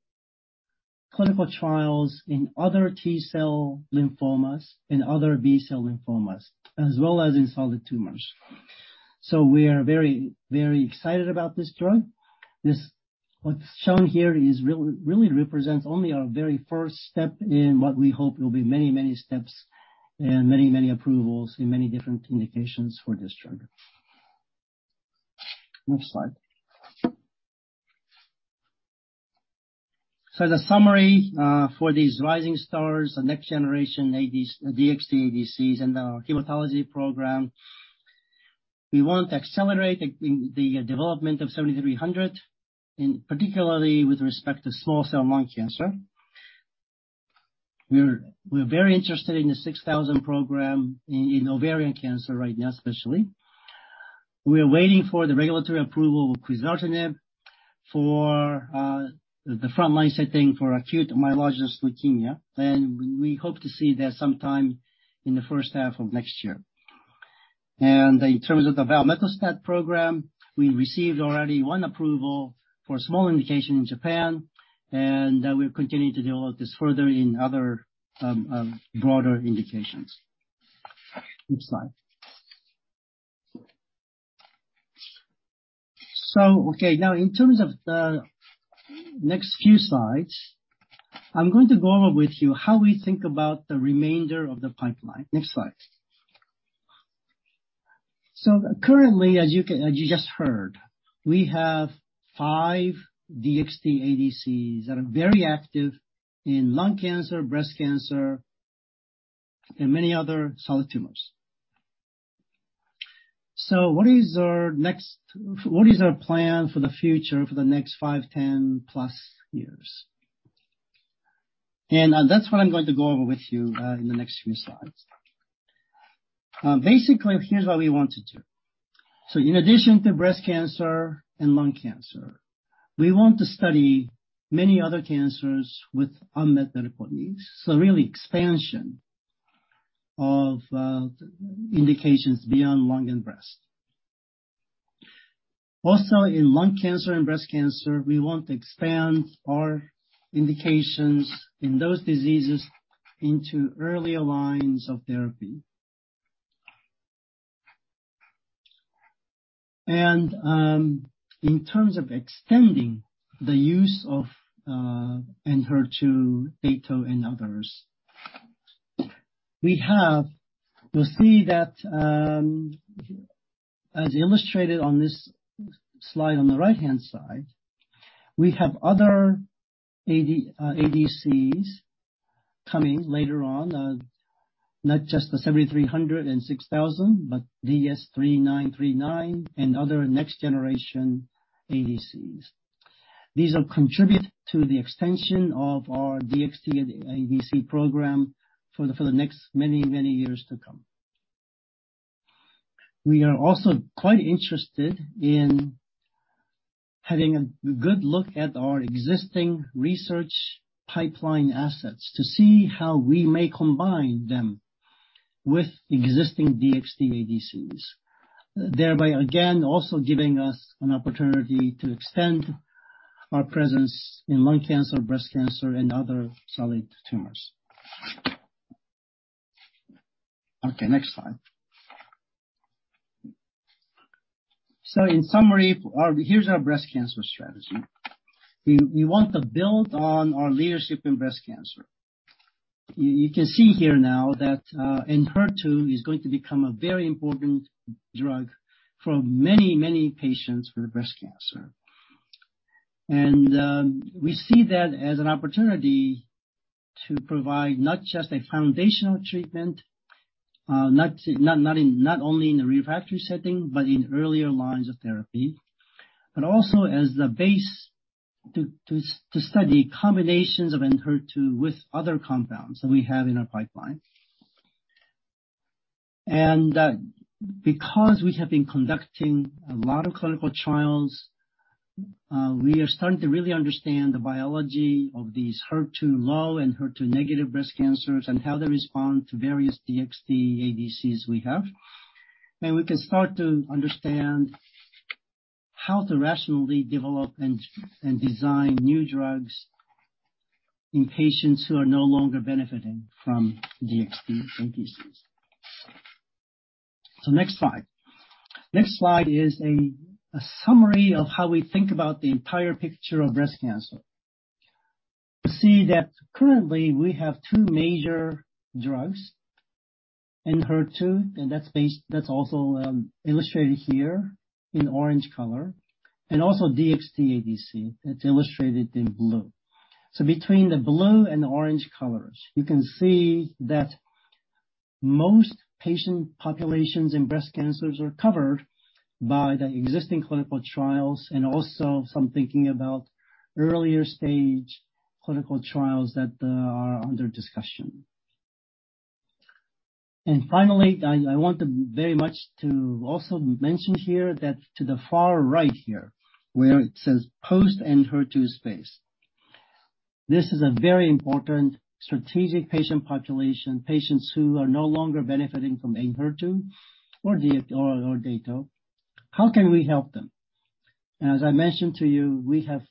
clinical trials in other T-cell lymphomas and other B-cell lymphomas, as well as in solid tumors. We are very excited about this drug. What's shown here really represents only our very first step in what we hope will be many steps and many approvals in many different indications for this drug. Next slide. The summary for these rising stars, the next generation ADCs, DXd ADCs and our hematology program, we want to accelerate the development of DS-7300, in particularly with respect to small cell lung cancer. We're very interested in the 6000 program in ovarian cancer right now, especially. We are waiting for the regulatory approval of quizartinib for the frontline setting for acute myelogenous leukemia. We hope to see that sometime in the first half of next year. In terms of the valemetostat program, we received already one approval for a small indication in Japan, and we're continuing to develop this further in other broader indications. Next slide. Okay, now, in terms of the next few slides, I'm going to go over with you how we think about the remainder of the pipeline. Next slide. Currently, as you just heard, we have five DXd ADCs that are very active in lung cancer, breast cancer and many other solid tumors. What is our plan for the future for the next five, 10+ years? That's what I'm going to go over with you in the next few slides. Basically, here's what we want to do. In addition to breast cancer and lung cancer, we want to study many other cancers with unmet medical needs. Really expansion of indications beyond lung and breast. In lung cancer and breast cancer, we want to expand our indications in those diseases into earlier lines of therapy. In terms of extending the use of ENHERTU, Dato and others, you'll see that, as illustrated on this slide on the right-hand side, we have other ADCs coming later on. Not just the DS-7300 and DS-6000, but DS-3939 and other next generation ADCs. These will contribute to the extension of our DXd ADC program for the next many years to come. We are also quite interested in having a good look at our existing research pipeline assets to see how we may combine them with existing DXd ADCs. Thereby, again, also giving us an opportunity to extend our presence in lung cancer, breast cancer and other solid tumors. Okay, next slide. In summary, here's our breast cancer strategy. We want to build on our leadership in breast cancer. You can see here now that ENHERTU is going to become a very important drug for many patients with breast cancer. We see that as an opportunity to provide not just a foundational treatment, not only in the refractory setting, but in earlier lines of therapy. Also as the base to study combinations of ENHERTU with other compounds that we have in our pipeline. Because we have been conducting a lot of clinical trials, we are starting to really understand the biology of these HER2-low and HER2-negative breast cancers and how they respond to various DXd ADCs we have. We can start to understand how to rationally develop and design new drugs in patients who are no longer benefiting from DXd ADCs. Next slide. Next slide is a summary of how we think about the entire picture of breast cancer. You see that currently we have two major drugs, ENHERTU, and that's also illustrated here in orange color, and also DXd ADC, that's illustrated in blue. Between the blue and the orange colors, you can see that most patient populations in breast cancers are covered by the existing clinical trials and also some thinking about earlier stage clinical trials that are under discussion. Finally, I want very much to also mention here that to the far right here, where it says post ENHERTU space. This is a very important strategic patient population, patients who are no longer benefiting from ENHERTU or Dato. How can we help them? As I mentioned to you, we have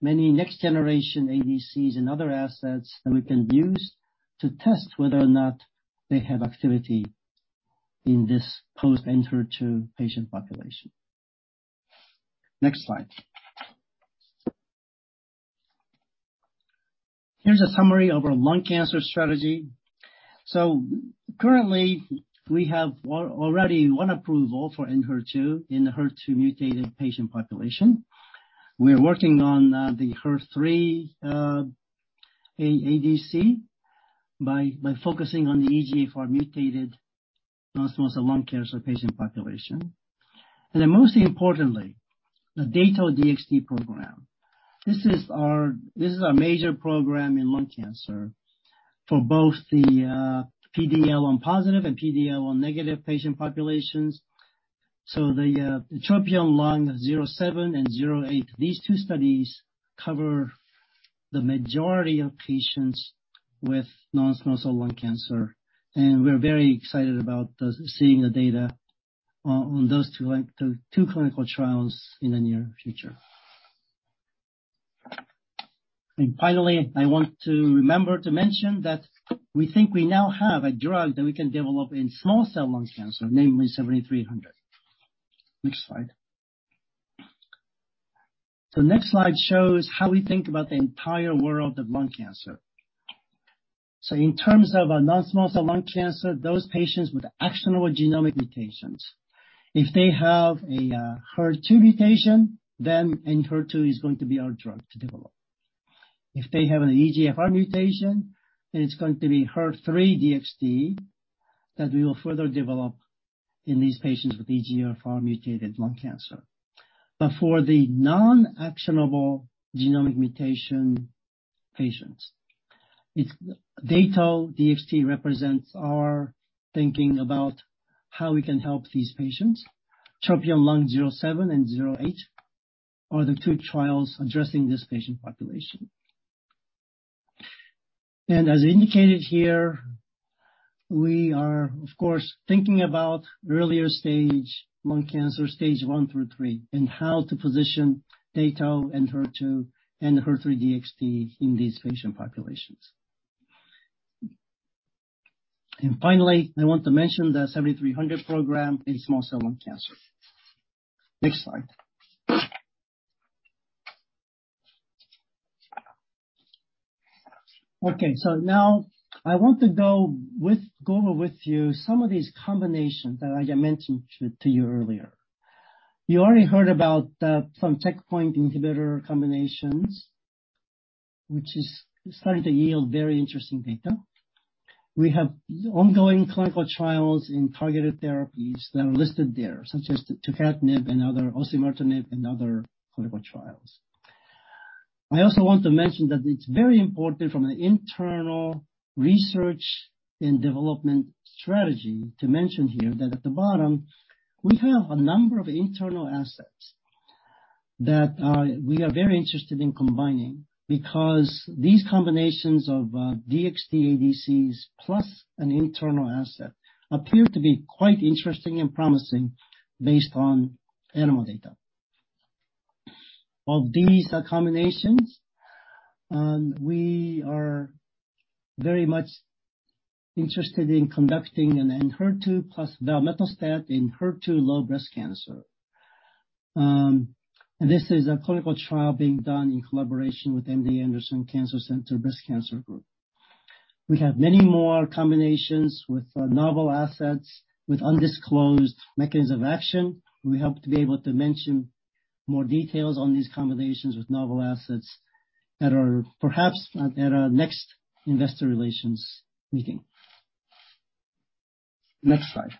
many next generation ADCs and other assets that we can use to test whether or not they have activity in this post ENHERTU patient population. Next slide. Here's a summary of our lung cancer strategy. Currently, we have already one approval for ENHERTU in the HER2 mutated patient population. We are working on the HER3 ADC by focusing on the EGFR mutated non-small cell lung cancer patient population. Most importantly, the Dato-DXd program. This is our major program in lung cancer for both the PD-L1 positive and PD-L1 negative patient populations. The TROPION-Lung07 and TROPION-Lung08, these two studies cover the majority of patients with non-small cell lung cancer, and we're very excited about seeing the data on those two clinical trials in the near future. Finally, I want to remember to mention that we think we now have a drug that we can develop in small cell lung cancer, namely DS-7300. Next slide. Next slide shows how we think about the entire world of lung cancer. In terms of non-small cell lung cancer, those patients with actionable genomic mutations. If they have a HER2 mutation, then ENHERTU is going to be our drug to develop. If they have an EGFR mutation, then it's going to be HER3-DXd that we will further develop in these patients with EGFR mutated lung cancer. For the non-actionable genomic mutation patients, Dato-DXd represents our thinking about how we can help these patients. TROPION-Lung07 and TROPION-Lung08 are the two trials addressing this patient population. As indicated here, we are of course thinking about earlier stage lung cancer, stage 1 through 3, and how to position Dato-DXd and HER2 and HER3-DXd in these patient populations. Finally, I want to mention the DS-7300 program in small cell lung cancer. Next slide. Now I want to go over with you some of these combinations that I mentioned to you earlier. You already heard about some checkpoint inhibitor combinations, which is starting to yield very interesting data. We have ongoing clinical trials in targeted therapies that are listed there, such as tucatinib and other osimertinib and other clinical trials. I also want to mention that it's very important from an internal research and development strategy to mention here that at the bottom we have a number of internal assets that are, we are very interested in combining because these combinations of DXd ADCs plus an internal asset appear to be quite interesting and promising based on animal data. Of these combinations, we are very much interested in conducting an ENHERTU plus vemurafenib in HER2-low breast cancer. This is a clinical trial being done in collaboration with MD Anderson Cancer Center Breast Cancer Group. We have many more combinations with novel assets with undisclosed mechanisms of action. We hope to be able to mention more details on these combinations with novel assets that are perhaps at our next investor relations meeting. Next slide.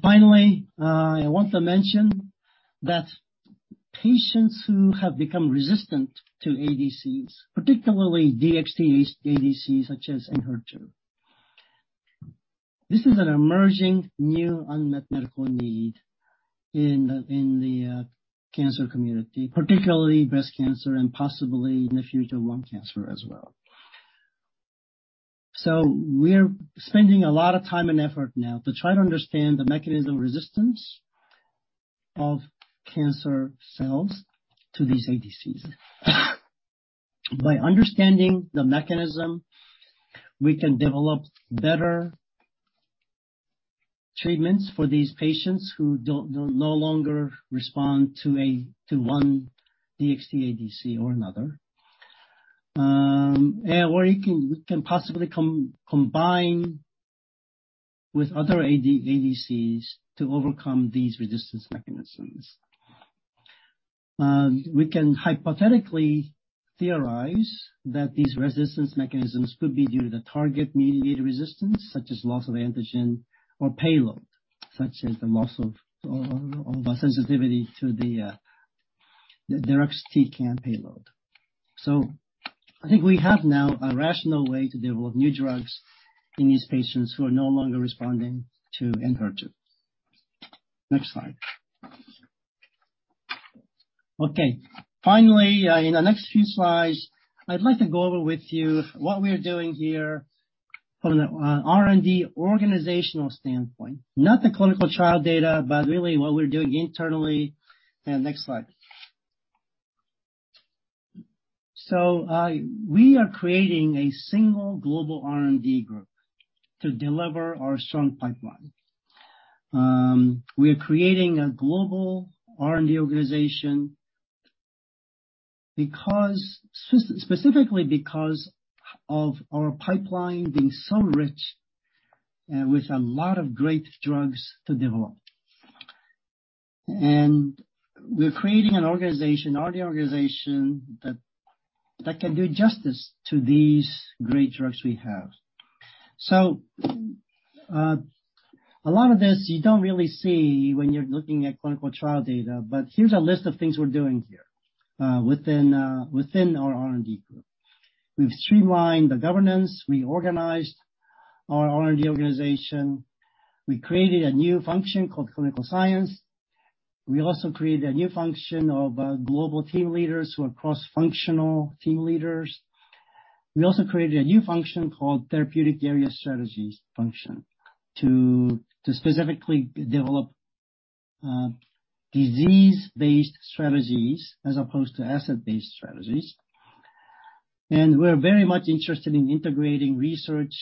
Finally, I want to mention that patients who have become resistant to ADCs, particularly DXd ADCs such as ENHERTU. This is an emerging new unmet medical need in the cancer community, particularly breast cancer and possibly in the future, lung cancer as well. We're spending a lot of time and effort now to try to understand the mechanism of resistance of cancer cells to these ADCs. By understanding the mechanism, we can develop better treatments for these patients who don't no longer respond to one DXd ADC or another. You can possibly combine with other ADCs to overcome these resistance mechanisms. We can hypothetically theorize that these resistance mechanisms could be due to target-mediated resistance, such as loss of antigen or payload, such as the loss of a sensitivity to the deruxtecan payload. I think we have now a rational way to develop new drugs in these patients who are no longer responding to ENHERTU. Next slide. Okay. Finally, in the next few slides, I'd like to go over with you what we are doing here from the R&D organizational standpoint, not the clinical trial data, but really what we're doing internally. Next slide. We are creating a single global R&D group to deliver our strong pipeline. We are creating a global R&D organization because, specifically because of our pipeline being so rich, with a lot of great drugs to develop. We're creating an organization, R&D organization that can do justice to these great drugs we have. A lot of this you don't really see when you're looking at clinical trial data, but here's a list of things we're doing here, within our R&D group. We've streamlined the governance. We organized our R&D organization. We created a new function called clinical science. We also created a new function of global team leaders who are cross-functional team leaders. We also created a new function called therapeutic area strategies function to specifically develop disease-based strategies as opposed to asset-based strategies. We're very much interested in integrating research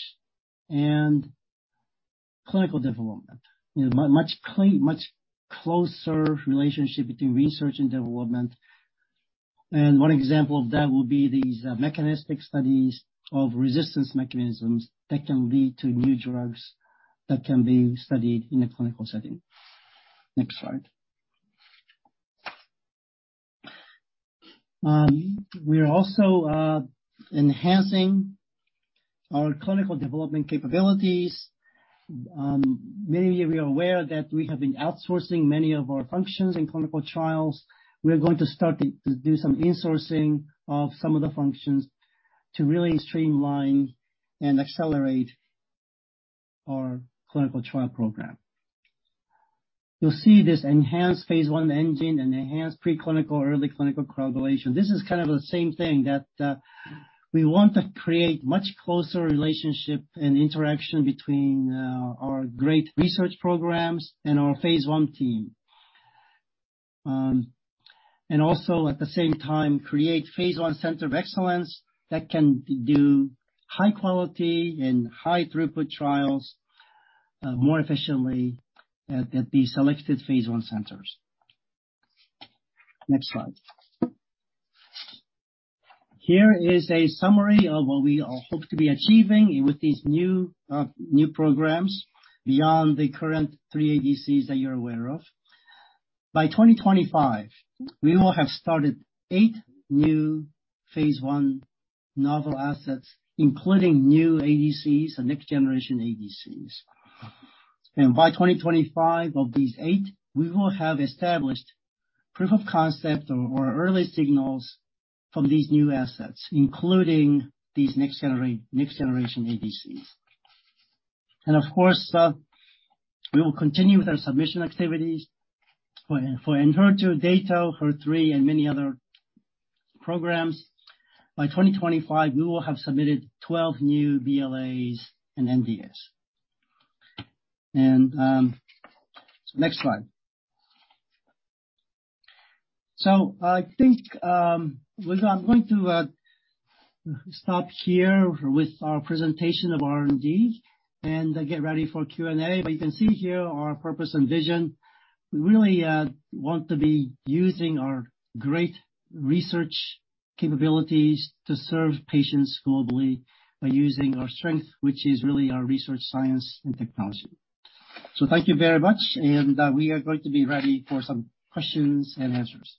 and clinical development, you know, much closer relationship between research and development. One example of that would be these mechanistic studies of resistance mechanisms that can lead to new drugs that can be studied in a clinical setting. Next slide. We are also enhancing our clinical development capabilities. Many of you are aware that we have been outsourcing many of our functions in clinical trials. We are going to start to do some insourcing of some of the functions to really streamline and accelerate our clinical trial program. You'll see this enhanced phase one engine and enhanced preclinical early clinical correlation. This is kind of the same thing that we want to create much closer relationship and interaction between our great research programs and our phase one team. Also, at the same time, create phase I center of excellence that can do high quality and high throughput trials more efficiently at the selected phase I centers. Next slide. Here is a summary of what we all hope to be achieving with these new programs beyond the current 3 ADCs that you're aware of. By 2025, we will have started eight new phase I novel assets, including new ADCs and next generation ADCs. By 2025, of these eight, we will have established proof of concept or early signals from these new assets, including these next generation ADCs. Of course, we will continue with our submission activities for ENHERTU, Dato, HER3, and many other programs. By 2025, we will have submitted 12 new BLAs and NDAs. Next slide. I think we are going to stop here with our presentation of R&D and get ready for Q&A. You can see here our purpose and vision. We really want to be using our great research capabilities to serve patients globally by using our strength, which is really our research, science, and technology. Thank you very much, and we are going to be ready for some questions and answers.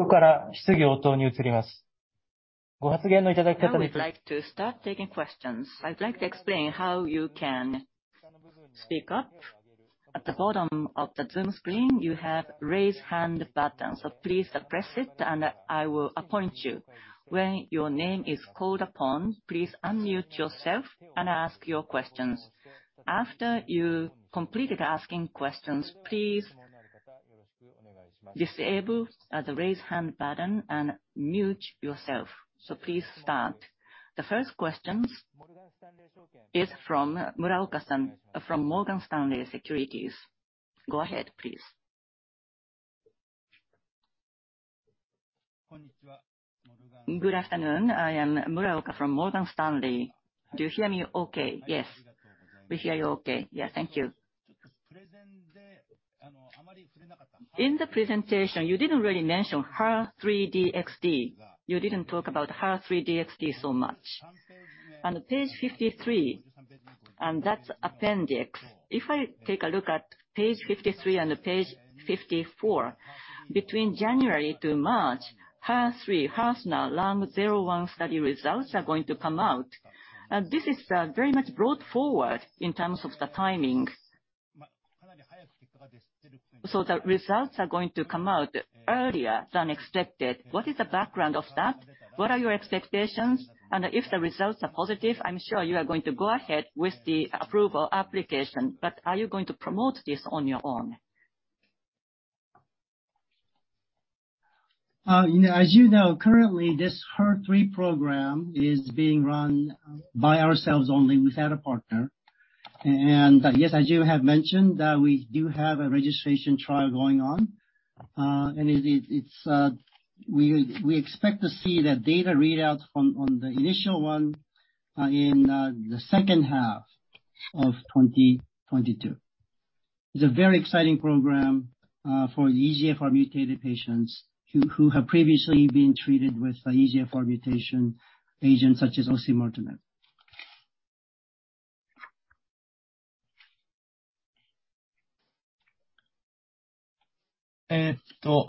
Now we'd like to start taking questions. I'd like to explain how you can speak up. At the bottom of the Zoom screen, you have raise hand button. Please press it and I will appoint you. When your name is called upon, please unmute yourself and ask your questions. After you completed asking questions, please disable the raise hand button and mute yourself. Please start. The first question is from Muraoka-san from Morgan Stanley Securities. Go ahead, please. Good afternoon. I am Muraoka from Morgan Stanley. Do you hear me okay? Yes. We hear you okay. Thank you. In the presentation, you didn't really mention HER3-DXd. You didn't talk about HER3-DXd so much. On page 53, and that's appendix. If I take a look at page 53 and page 54, between January to March, HER3, [HERSNAR], LAM-001 study results are going to come out. This is, very much brought forward in terms of the timings. The results are going to come out earlier than expected. What is the background of that? What are your expectations? If the results are positive, I'm sure you are going to go ahead with the approval application. Are you going to promote this on your own? As you know, currently this HER3 program is being run by ourselves only without a partner. Yes, as you have mentioned, we do have a registration trial going on. It's, we expect to see the data readouts from, on the initial one, in the second half of 2022. It's a very exciting program, for EGFR mutated patients who have previously been treated with EGFR mutation agents such as osimertinib. Thank you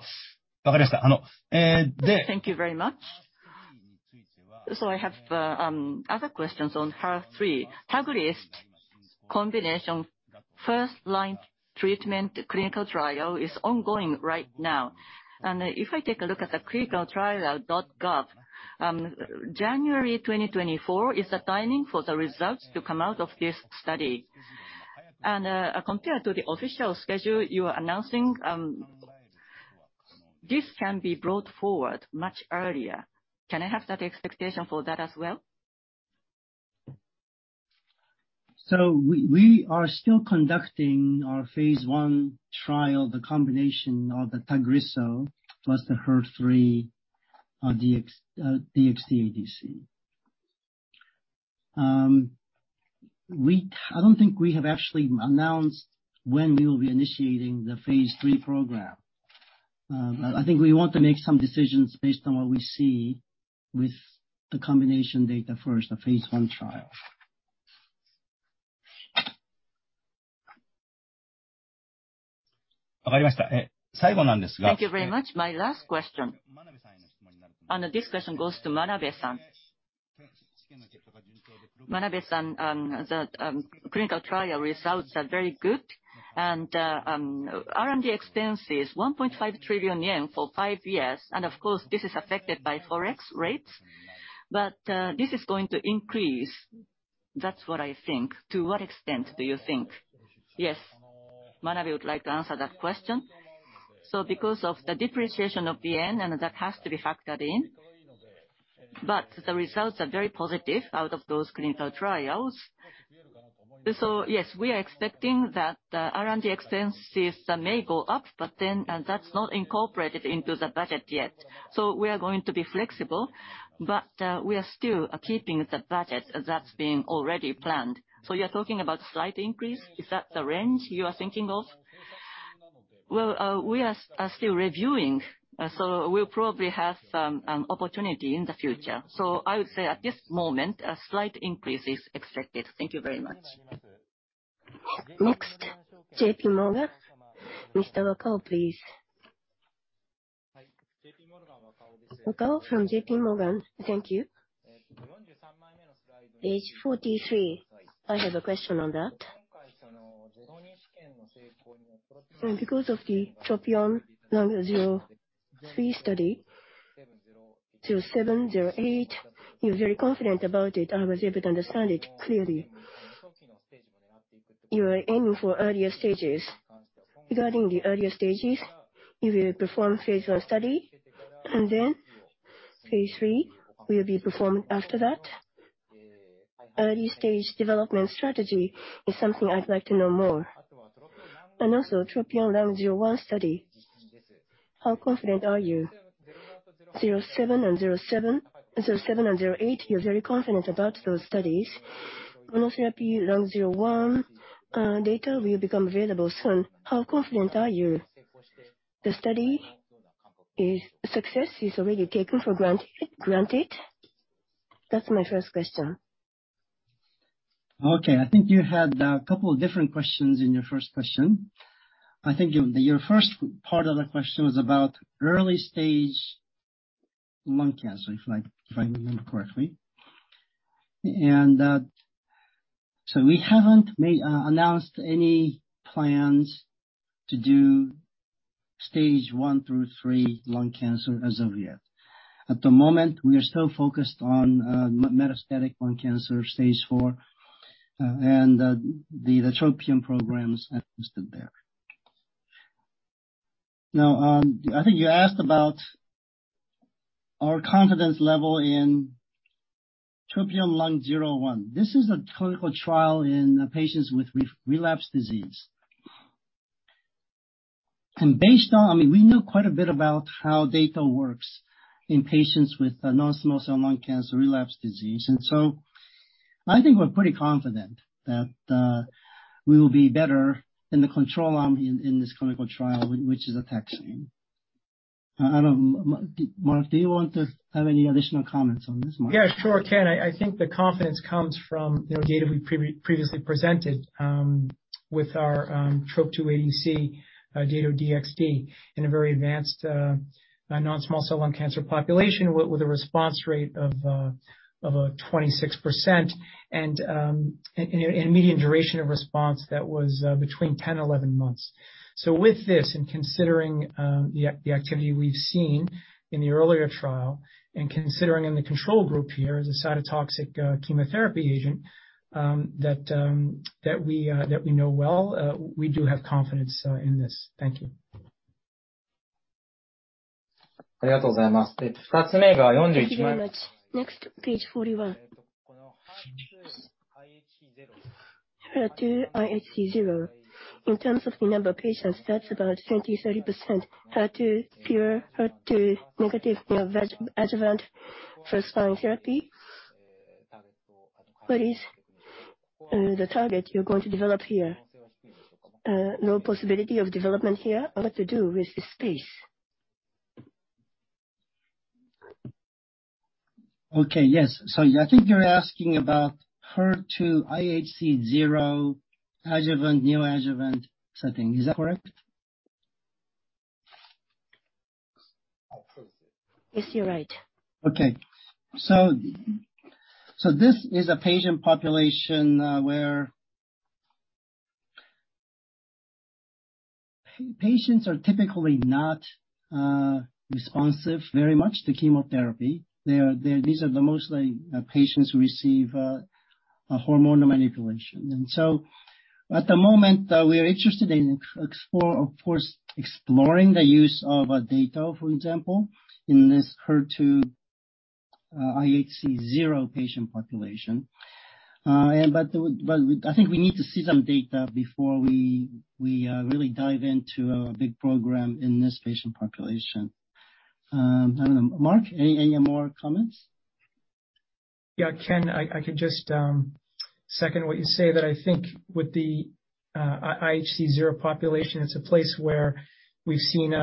very much. I have other questions on HER3. TAGRISSO combination first line treatment clinical trial is ongoing right now. If I take a look at the ClinicalTrials.gov, January 2024 is the timing for the results to come out of this study. Compared to the official schedule you are announcing, this can be brought forward much earlier. Can I have that expectation for that as well? We are still conducting our phase I trial, the combination of the TAGRISSO plus the HER3 DXd ADC. We don't think we have actually announced when we will be initiating the phase III program. I think we want to make some decisions based on what we see with the combination data first, the phase I trial. Thank you very much. My last question. This question goes to Manabe-san. Manabe-san, the clinical trial results are very good. R&D expense is 1.5 trillion yen for five years. Of course, this is affected by Forex rates. This is going to increase. That's what I think. To what extent do you think? Yes. Manabe would like to answer that question. Because of the depreciation of the yen, and that has to be factored in, but the results are very positive out of those clinical trials. Yes, we are expecting that R&D expenses may go up. That's not incorporated into the budget yet. We are going to be flexible. We are still keeping the budget that's being already planned. You're talking about slight increase. Is that the range you are thinking of? Well, we are still reviewing. We'll probably have some opportunity in the future. I would say at this moment, a slight increase is expected. Thank you very much. Next, JP Morgan. Mr. Wakao, please. Hi. JP Morgan, Wakao. Wakao from JP Morgan. Thank you. Page 43, I have a question on that. Because of the TROPION-Lung03 study, 07, 08, you're very confident about it. I was able to understand it clearly. You are aiming for earlier stages. Regarding the earlier stages, you will perform phase I study, and then phase III will be performed after that. Early stage development strategy is something I'd like to know more. Also, TROPION-Lung01 study, how confident are you? 07 and 08, you're very confident about those studies. Monotherapy Lung01 data will become available soon. How confident are you the study a success is already taken for granted? That's my first question. I think you had a couple of different questions in your first question. I think your first part of the question was about early-stage lung cancer, if I remember correctly. So we haven't made, announced any plans to do stage 1 through 3 lung cancer as of yet. At the moment, we are still focused on, metastatic lung cancer, stage 4, and the TROPION programs are listed there. I think you asked about our confidence level in TROPION-Lung01. This is a clinical trial in patients with relapsed disease. Based on... I mean, we know quite a bit about how data works in patients with, non-small cell lung cancer, relapsed disease. I think we're pretty confident that we will be better in the control arm in this clinical trial, which is a taxane. Mark, do you want to have any additional comments on this, Mark? Yeah, sure, Ken. I think the confidence comes from, you know, data we previously presented with our Trop2-ADC, Dato-DXd in a very advanced non-small cell lung cancer population with a response rate of 26% and an immediate duration of response that was between 10, 11 months. With this, and considering the activity we've seen in the earlier trial and considering in the control group here is a cytotoxic chemotherapy agent that we know well, we do have confidence in this. Thank you. Thank you very much. Next, page 41. HER2 IHC 0. In terms of the number of patients, that's about 20%, 30% HER2 pure, HER2-negative neoadjuvant first-line therapy. What is the target you're going to develop here? No possibility of development here or to do with this phase? Okay. Yes. I think you're asking about HER2 IHC 0 adjuvant, neoadjuvant setting. Is that correct? Yes, you're right. Okay. This is a patient population where patients are typically not responsive very much to chemotherapy. They are. These are the mostly patients who receive a hormonal manipulation. At the moment, we are interested in explore, of course, exploring the use of data, for example, in this HER2 IHC 0 patient population. I think we need to see some data before we really dive into a big program in this patient population. I don't know. Mark, any more comments? Yeah. Ken, I can just second what you say, that I think with the IHC 0 population, it's a place where we've seen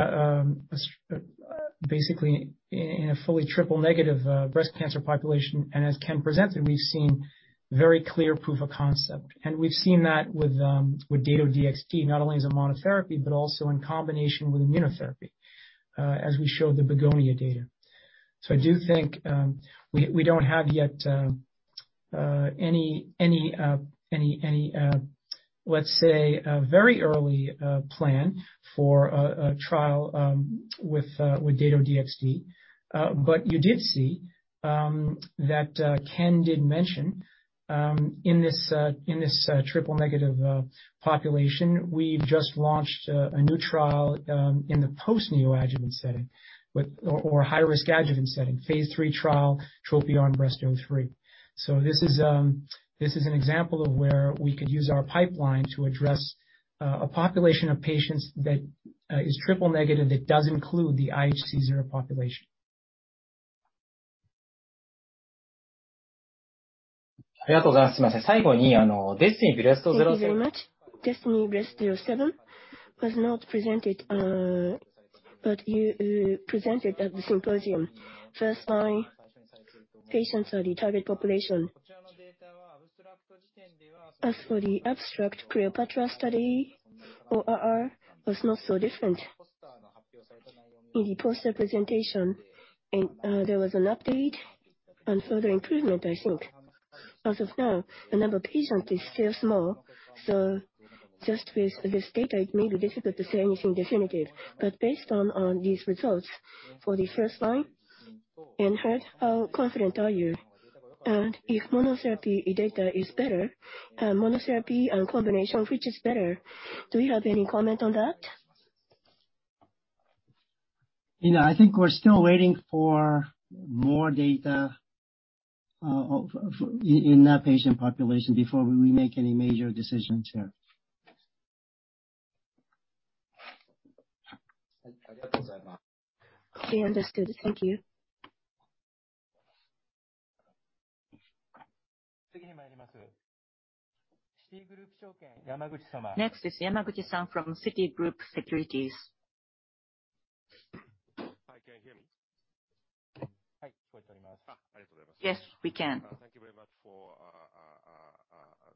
Basically in a fully triple negative breast cancer population, and as Ken presented, we've seen very clear proof of concept. We've seen that with Dato-DXd, not only as a monotherapy, but also in combination with immunotherapy, as we showed the BEGONIA data. I do think we don't have yet any, uh, let's say, a very early plan for a trial with Dato-DXd. You did see that Ken did mention in this triple negative population, we've just launched a new trial in the post neoadjuvant setting with... or high risk adjuvant setting. phase III trial, TROPION-Breast03. This is an example of where we could use our pipeline to address a population of patients that is triple negative that does include the IHC 0 population. Thank you very much. DESTINY-Breast07 was not presented, but you presented at the symposium. First-line patients are the target population. As for the abstract CLEOPATRA study, ORR was not so different. In the poster presentation, there was an update and further improvement, I think. As of now, the number of patients is still small, so just with this data, it may be difficult to say anything definitive. Based on these results for the first-line in HER, how confident are you? If monotherapy data is better, monotherapy and combination, which is better? Do you have any comment on that? You know, I think we're still waiting for more data, in that patient population before we make any major decisions here. We understood. Thank you. Next is Yamaguchi-san from Citigroup Securities. Hi, can you hear me? Yes, we can. Thank you very much for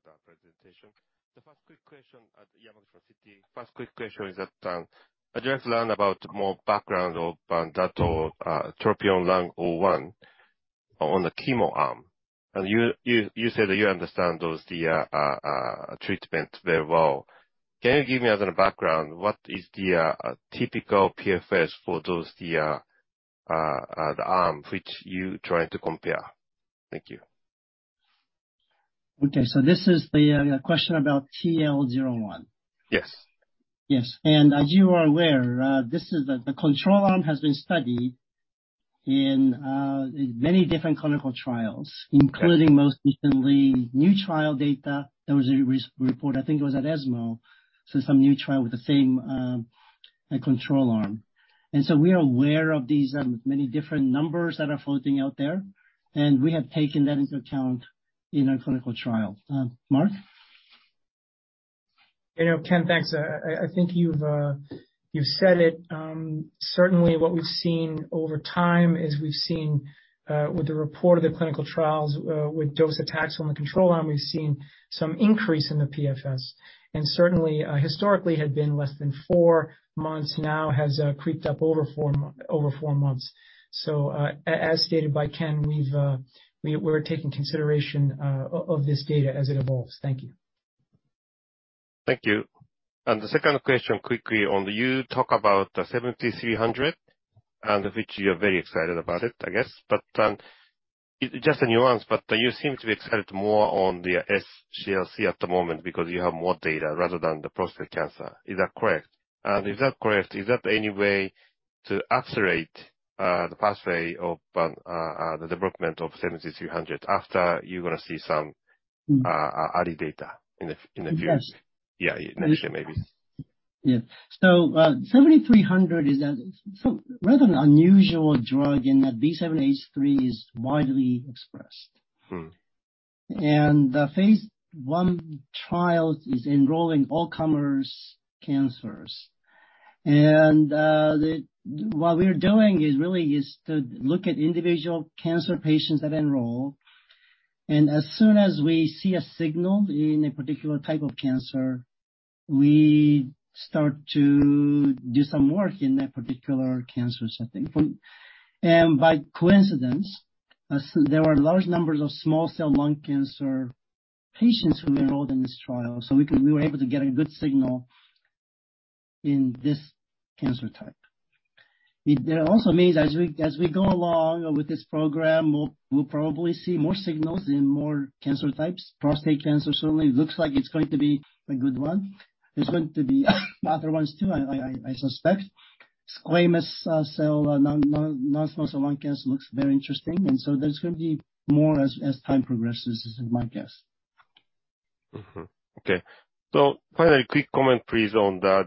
the presentation. The first quick question at Yamaguchi for Citi. First quick question is that, I just learn about more background of Dato, TROPION-Lung01 on the chemo arm. You said that you understand those, the treatment very well. Can you give me as a background, what is the typical PFS for those, the arm which you trying to compare? Thank you. Okay. This is the question about TL 01. Yes. Yes. As you are aware, this is the control arm has been studied in many different clinical trials including most recently new trial data that was re-report, I think it was at ESMO. Some new trial with the same control arm. We are aware of these many different numbers that are floating out there, and we have taken that into account in our clinical trial. Mark? You know, Ken, thanks. I think you've said it. Certainly what we've seen over time is we've seen with the report of the clinical trials with docetaxel on the control arm, we've seen some increase in the PFS. Certainly, historically had been less than 4 months, now has creeped up over four months. As stated by Ken, we're taking consideration of this data as it evolves. Thank you. Thank you. The second question, quickly on you talk about the DS-7300, and which you're very excited about it, I guess. Just a nuance, but you seem to be excited more on the SCLC at the moment because you have more data, rather than the prostate cancer. Is that correct? If that correct, is that any way to accelerate the pathway of the development of DS-7300 after you're gonna see some early data in a few weeks? Yes. Yeah, next year, maybe. Yeah. DS-7300 is a so rather than unusual drug in that B7-H3 is widely expressed. The phase one trial is enrolling all comers cancers. What we're doing is really to look at individual cancer patients that enroll. As soon as we see a signal in a particular type of cancer, we start to do some work in that particular cancer setting. By coincidence, as there are large numbers of small cell lung cancer patients who enrolled in this trial, we were able to get a good signal in this cancer type. It also means as we go along with this program, we'll probably see more signals in more cancer types. Prostate cancer certainly looks like it's going to be a good one. There's going to be other ones too, I suspect. Squamous cell lung, non-small cell lung cancer looks very interesting. There's gonna be more as time progresses, is my guess. Okay. Finally, quick comment please on the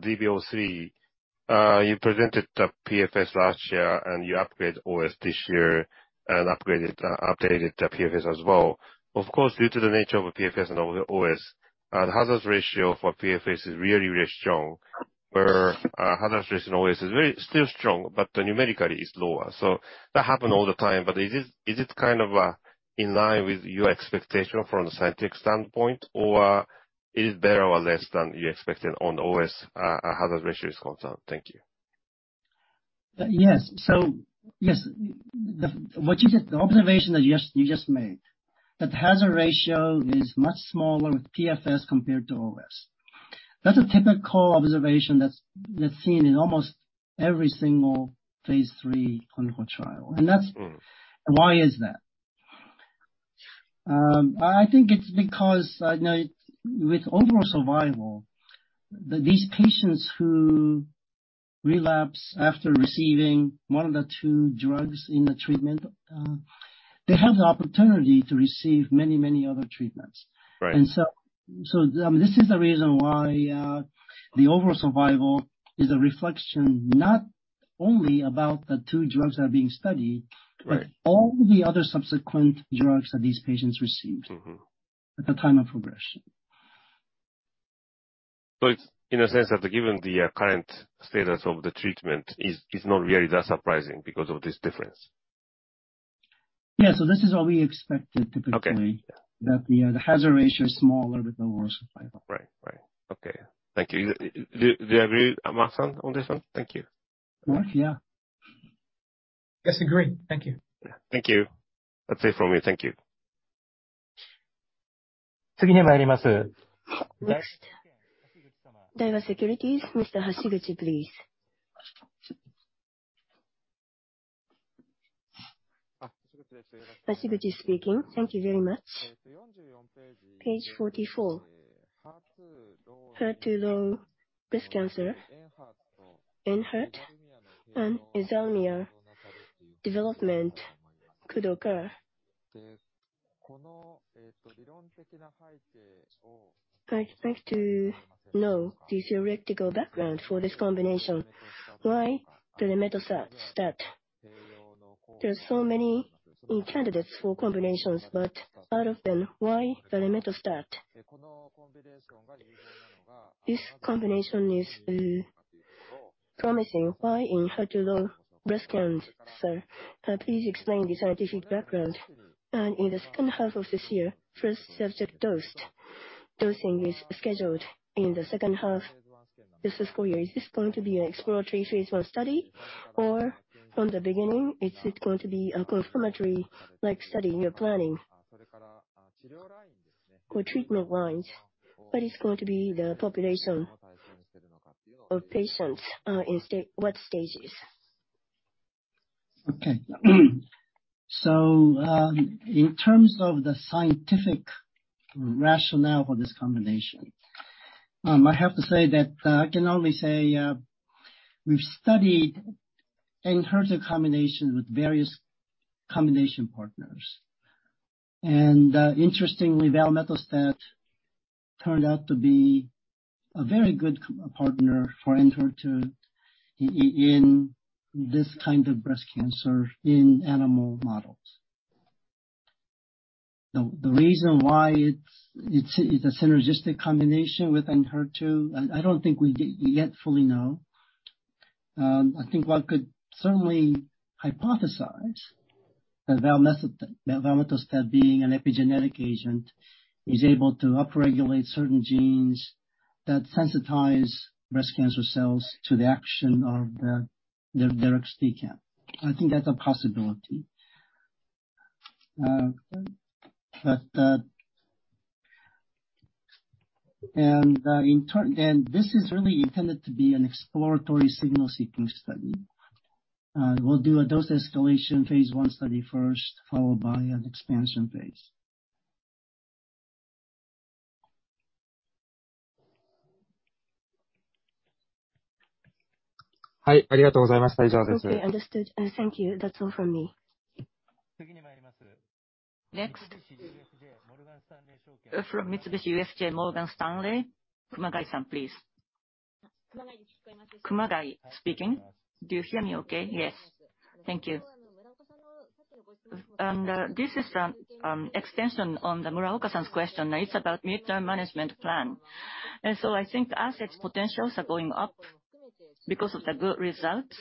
[DS-7300]. You presented the PFS last year, and you upgrade OS this year and updated the PFS as well. Of course, due to the nature of PFS and OS, the hazards ratio for PFS is really strong. Where, hazard ratio in OS is very, still strong, but numerically it's lower. That happen all the time, but is it kind of in line with your expectation from a scientific standpoint? Or is better or less than you expected on the OS, hazard ratio concern? Thank you. Yes. yes. The observation that you just made, that hazard ratio is much smaller with PFS compared to OS. That's a typical observation that's seen in almost every single phase III clinical trial. Why is that? I think it's because, you know, with overall survival, these patients who relapse after receiving one of the two drugs in the treatment, they have the opportunity to receive many other treatments. Right. This is the reason why, the overall survival is a reflection not only about the two drugs that are being studied Right. All the other subsequent drugs that these patients received at the time of progression. It's, in a sense that given the current status of the treatment, it's not really that surprising because of this difference? Yeah. This is what we expected typically. Okay. Yeah. The hazard ratio is smaller with the overall survival. Right. Right. Okay. Thank you. Do you agree, Mark, on this one? Thank you. Mark? Yeah. Yes, I agree. Thank you. Thank you. That's it from me. Thank you. Next. Daiwa Securities, Mr. Hashiguchi, please. Hashiguchi speaking. Thank you very much. Page 44. HER2-low breast cancer, ENHERTU and EZHARMIA development could occur. I'd like to know the theoretical background for this combination. Why the valemetostat? There are so many candidates for combinations, but out of them, why valemetostat? This combination is promising why in HER2-low breast cancer? Please explain the scientific background. In the second half of this year, first subject dosed. Dosing is scheduled in the second half. This is for you. Is this going to be an exploratory phase or a study? From the beginning, is it going to be a confirmatory like study you're planning? For treatment-wise, what is going to be the population of patients, in what stages? Okay. In terms of the scientific rationale for this combination, I have to say that, I can only say, we've studied ENHERTU combination with various combination partners. Interestingly, valemetostat turned out to be a very good partner for ENHERTU in this kind of breast cancer in animal models. The reason why it's a synergistic combination with ENHERTU, I don't think we yet fully know. I think one could certainly hypothesize that valemetostat being an epigenetic agent, is able to upregulate certain genes that sensitize breast cancer cells to the action of the deruxtecan. I think that's a possibility. In turn, this is really intended to be an exploratory signal seeking study. We'll do a dose escalation phase one study first, followed by an expansion phase. Okay, understood. Thank you. That's all from me. Next from Mitsubishi UFJ Morgan Stanley, Kumagai-san, please. Kumagai speaking. Do you hear me okay? Yes. Thank you. This is extension on the Muraoka-san's question. It's about midterm management plan. I think assets potentials are going up because of the good results.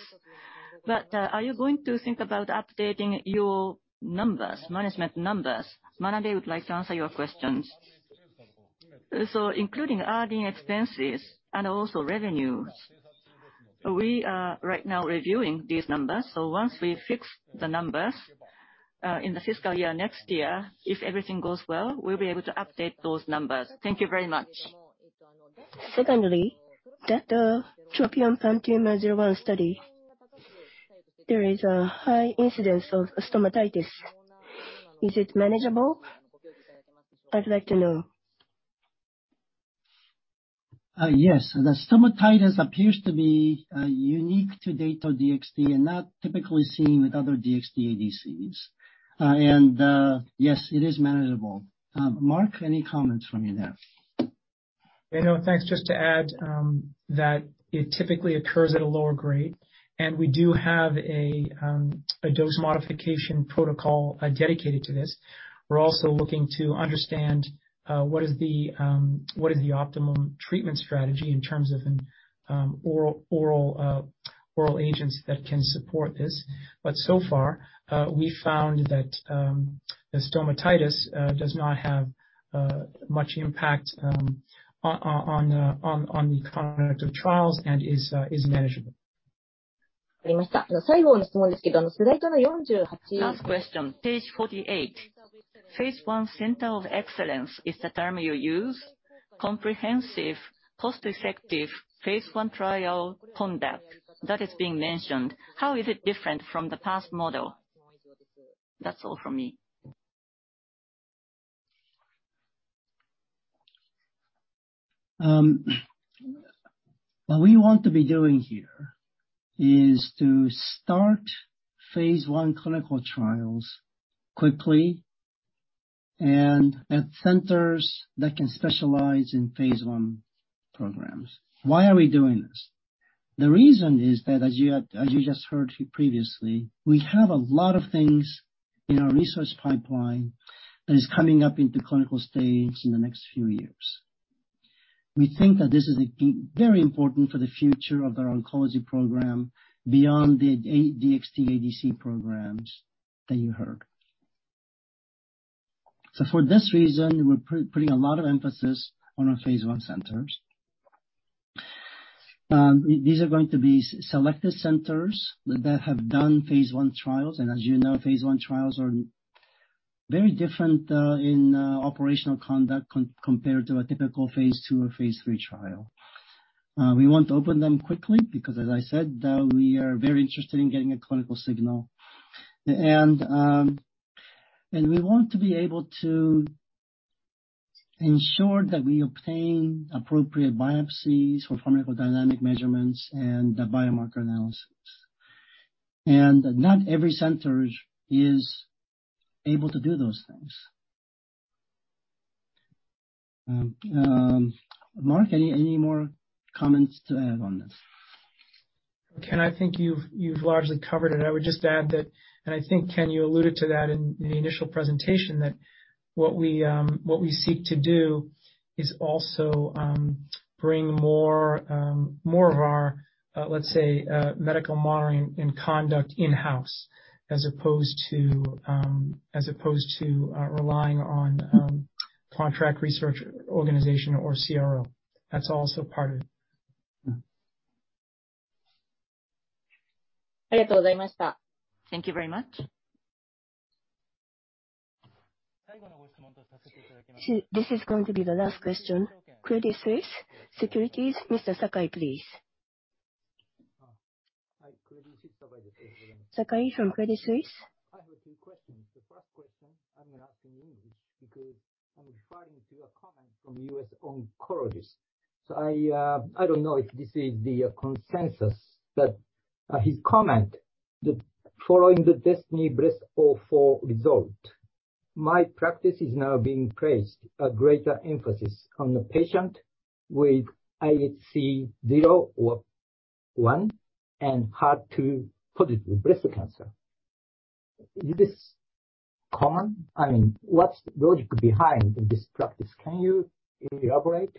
Are you going to think about updating your numbers, management numbers? Manabe would like to answer your questions. Including R&D expenses and also revenues, we are right now reviewing these numbers. Once we fix the numbers, in the fiscal year, next year, if everything goes well, we'll be able to update those numbers. Thank you very much. That, TROPION-PanTumor01 study, there is a high incidence of stomatitis. Is it manageable? I'd like to know. Yes. The stomatitis appears to be unique to Dato-DXd and not typically seen with other DXd ADCs. Yes, it is manageable. Mark, any comments from you there? You know, thanks. Just to add that it typically occurs at a lower grade. We do have a dose modification protocol dedicated to this. We're also looking to understand what is the optimum treatment strategy in terms of an oral agents that can support this. So far, we found that the stomatitis does not have much impact on the conduct of trials and is manageable. Last question. Page 48, phase I center of excellence is the term you use. Comprehensive cost-effective phase I trial conduct that is being mentioned, how is it different from the past model? That's all from me. What we want to be doing here is to start phase I clinical trials quickly and at centers that can specialize in phase I programs. Why are we doing this? The reason is that as you just heard previously, we have a lot of things in our resource pipeline that is coming up into clinical stage in the next few years. We think that this is a very important for the future of our oncology program beyond the DXd ADC programs that you heard. For this reason, we're putting a lot of emphasis on our phase I centers. These are going to be selected centers that have done phase I trials, and as you know, phase I trials are very different in operational conduct compared to a typical phase II or phase III trial. We want to open them quickly because as I said, we are very interested in getting a clinical signal. We want to be able to ensure that we obtain appropriate biopsies for pharmacodynamic measurements and the biomarker analysis. Not every center is able to do those things. Mark, any more comments to add on this? Ken, I think you've largely covered it. I would just add that. I think, Ken, you alluded to that in the initial presentation, that what we seek to do is also bring more of our, let's say, medical modeling and conduct in-house as opposed to relying on contract research organization or CRO. That's also part of it. Thank you very much. This is going to be the last question. Credit Suisse Securities, Mr. Sakai, please. Hi. Credit Suisse, Sakai. Sakai from Credit Suisse. I have two questions. The first question I'm gonna ask in English because I'm referring to a comment from U.S. oncologist. I don't know if this is the consensus, but his comment that following the DESTINY-Breast04 result, my practice is now being placed a greater emphasis on the patient with IHC 0 or 1 and HER2-positive breast cancer. Is this common? I mean, what's the logic behind this practice? Can you elaborate?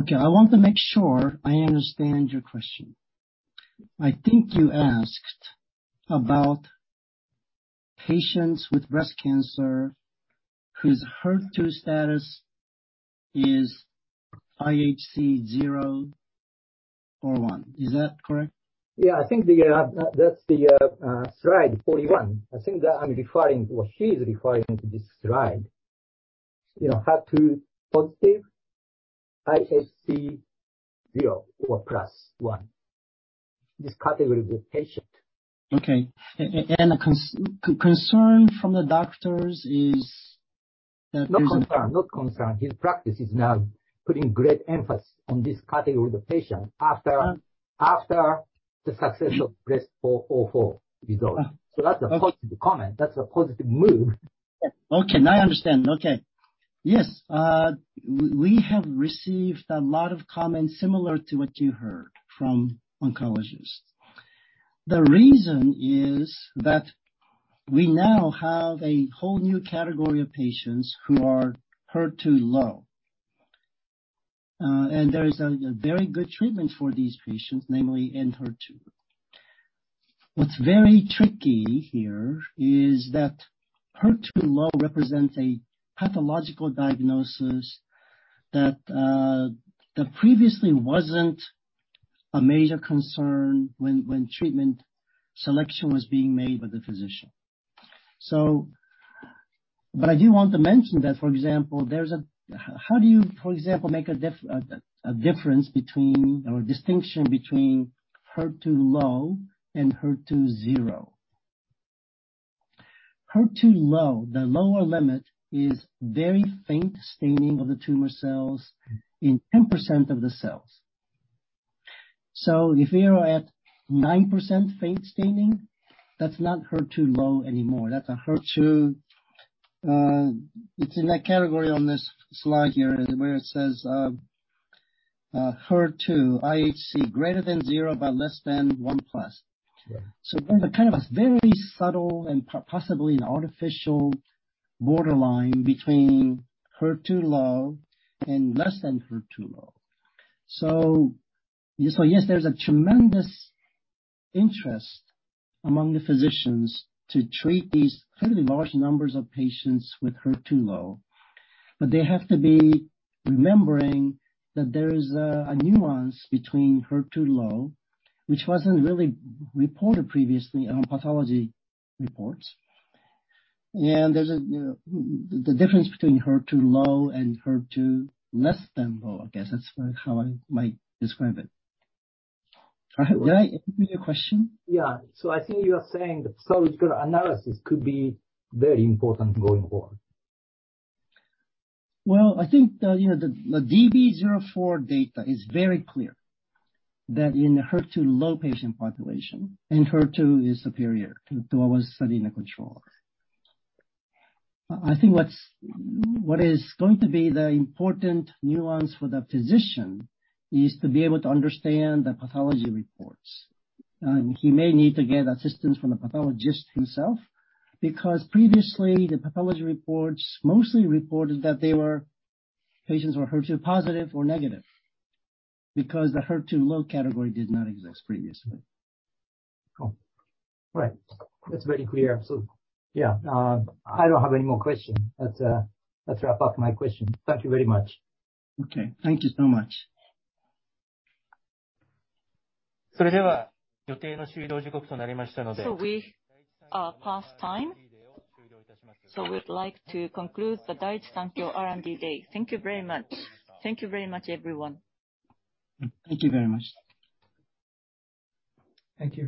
Okay. I want to make sure I understand your question. I think you asked about patients with breast cancer whose HER2 status is IHC 0 or 01. Is that correct? Yeah. I think the, that's the, slide 41. I think that I'm referring, or he's referring to this slide. You know, HER2 positive, IHC 0 or +1. This category of the patient. Okay. The concern from the doctors is that there's Not concern. His practice is now putting great emphasis on this category of the patient after the success of [Breast 404] result. That's a positive comment. That's a positive move. Okay. Now I understand. Okay. Yes. We have received a lot of comments similar to what you heard from oncologists. The reason is that we now have a whole new category of patients who are HER2 low. There is a very good treatment for these patients, namely ENHERTU. What's very tricky here is that HER2 low represents a pathological diagnosis that previously wasn't a major concern when treatment selection was being made by the physician. I do want to mention that, for example, there's a How do you, for example, make a difference between or distinction between HER2-low and HER2-zero? HER2-low, the lower limit is very faint staining of the tumor cells in 10% of the cells. If you are at 9% faint staining, that's not HER2-low anymore. That's a HER2, It's in that category on this slide here where it says, HER2 IHC greater than 0 but less than +1. Right. Kind of a very subtle and possibly an artificial borderline between HER2-low and less than HER2-low. Yes, there's a tremendous interest among the physicians to treat these fairly large numbers of patients with HER2-low, but they have to be remembering that there is a nuance between HER2-low, which wasn't really reported previously on pathology reports. There's a, you know, the difference between HER2-low and HER2 less than low. I guess that's how I might describe it. All right. Did I answer your question? Yeah. I think you are saying that subtropical analysis could be very important going forward. Well, I think the, you know, the DB04 data is very clear that in the HER2-low patient population, ENHERTU is superior to our study in the control. I think what is going to be the important nuance for the physician is to be able to understand the pathology reports. He may need to get assistance from the pathologist himself because previously, the pathology reports mostly reported that patients were HER2-positive or negative because the HER2-low category did not exist previously. Cool. Right. That's very clear. Yeah, I don't have any more question. Let's, let's wrap up my question. Thank you very much. Okay. Thank you so much. We are past time, so we'd like to conclude the Daiichi Sankyo R&D Day. Thank you very much. Thank you very much, everyone. Thank you very much. Thank you.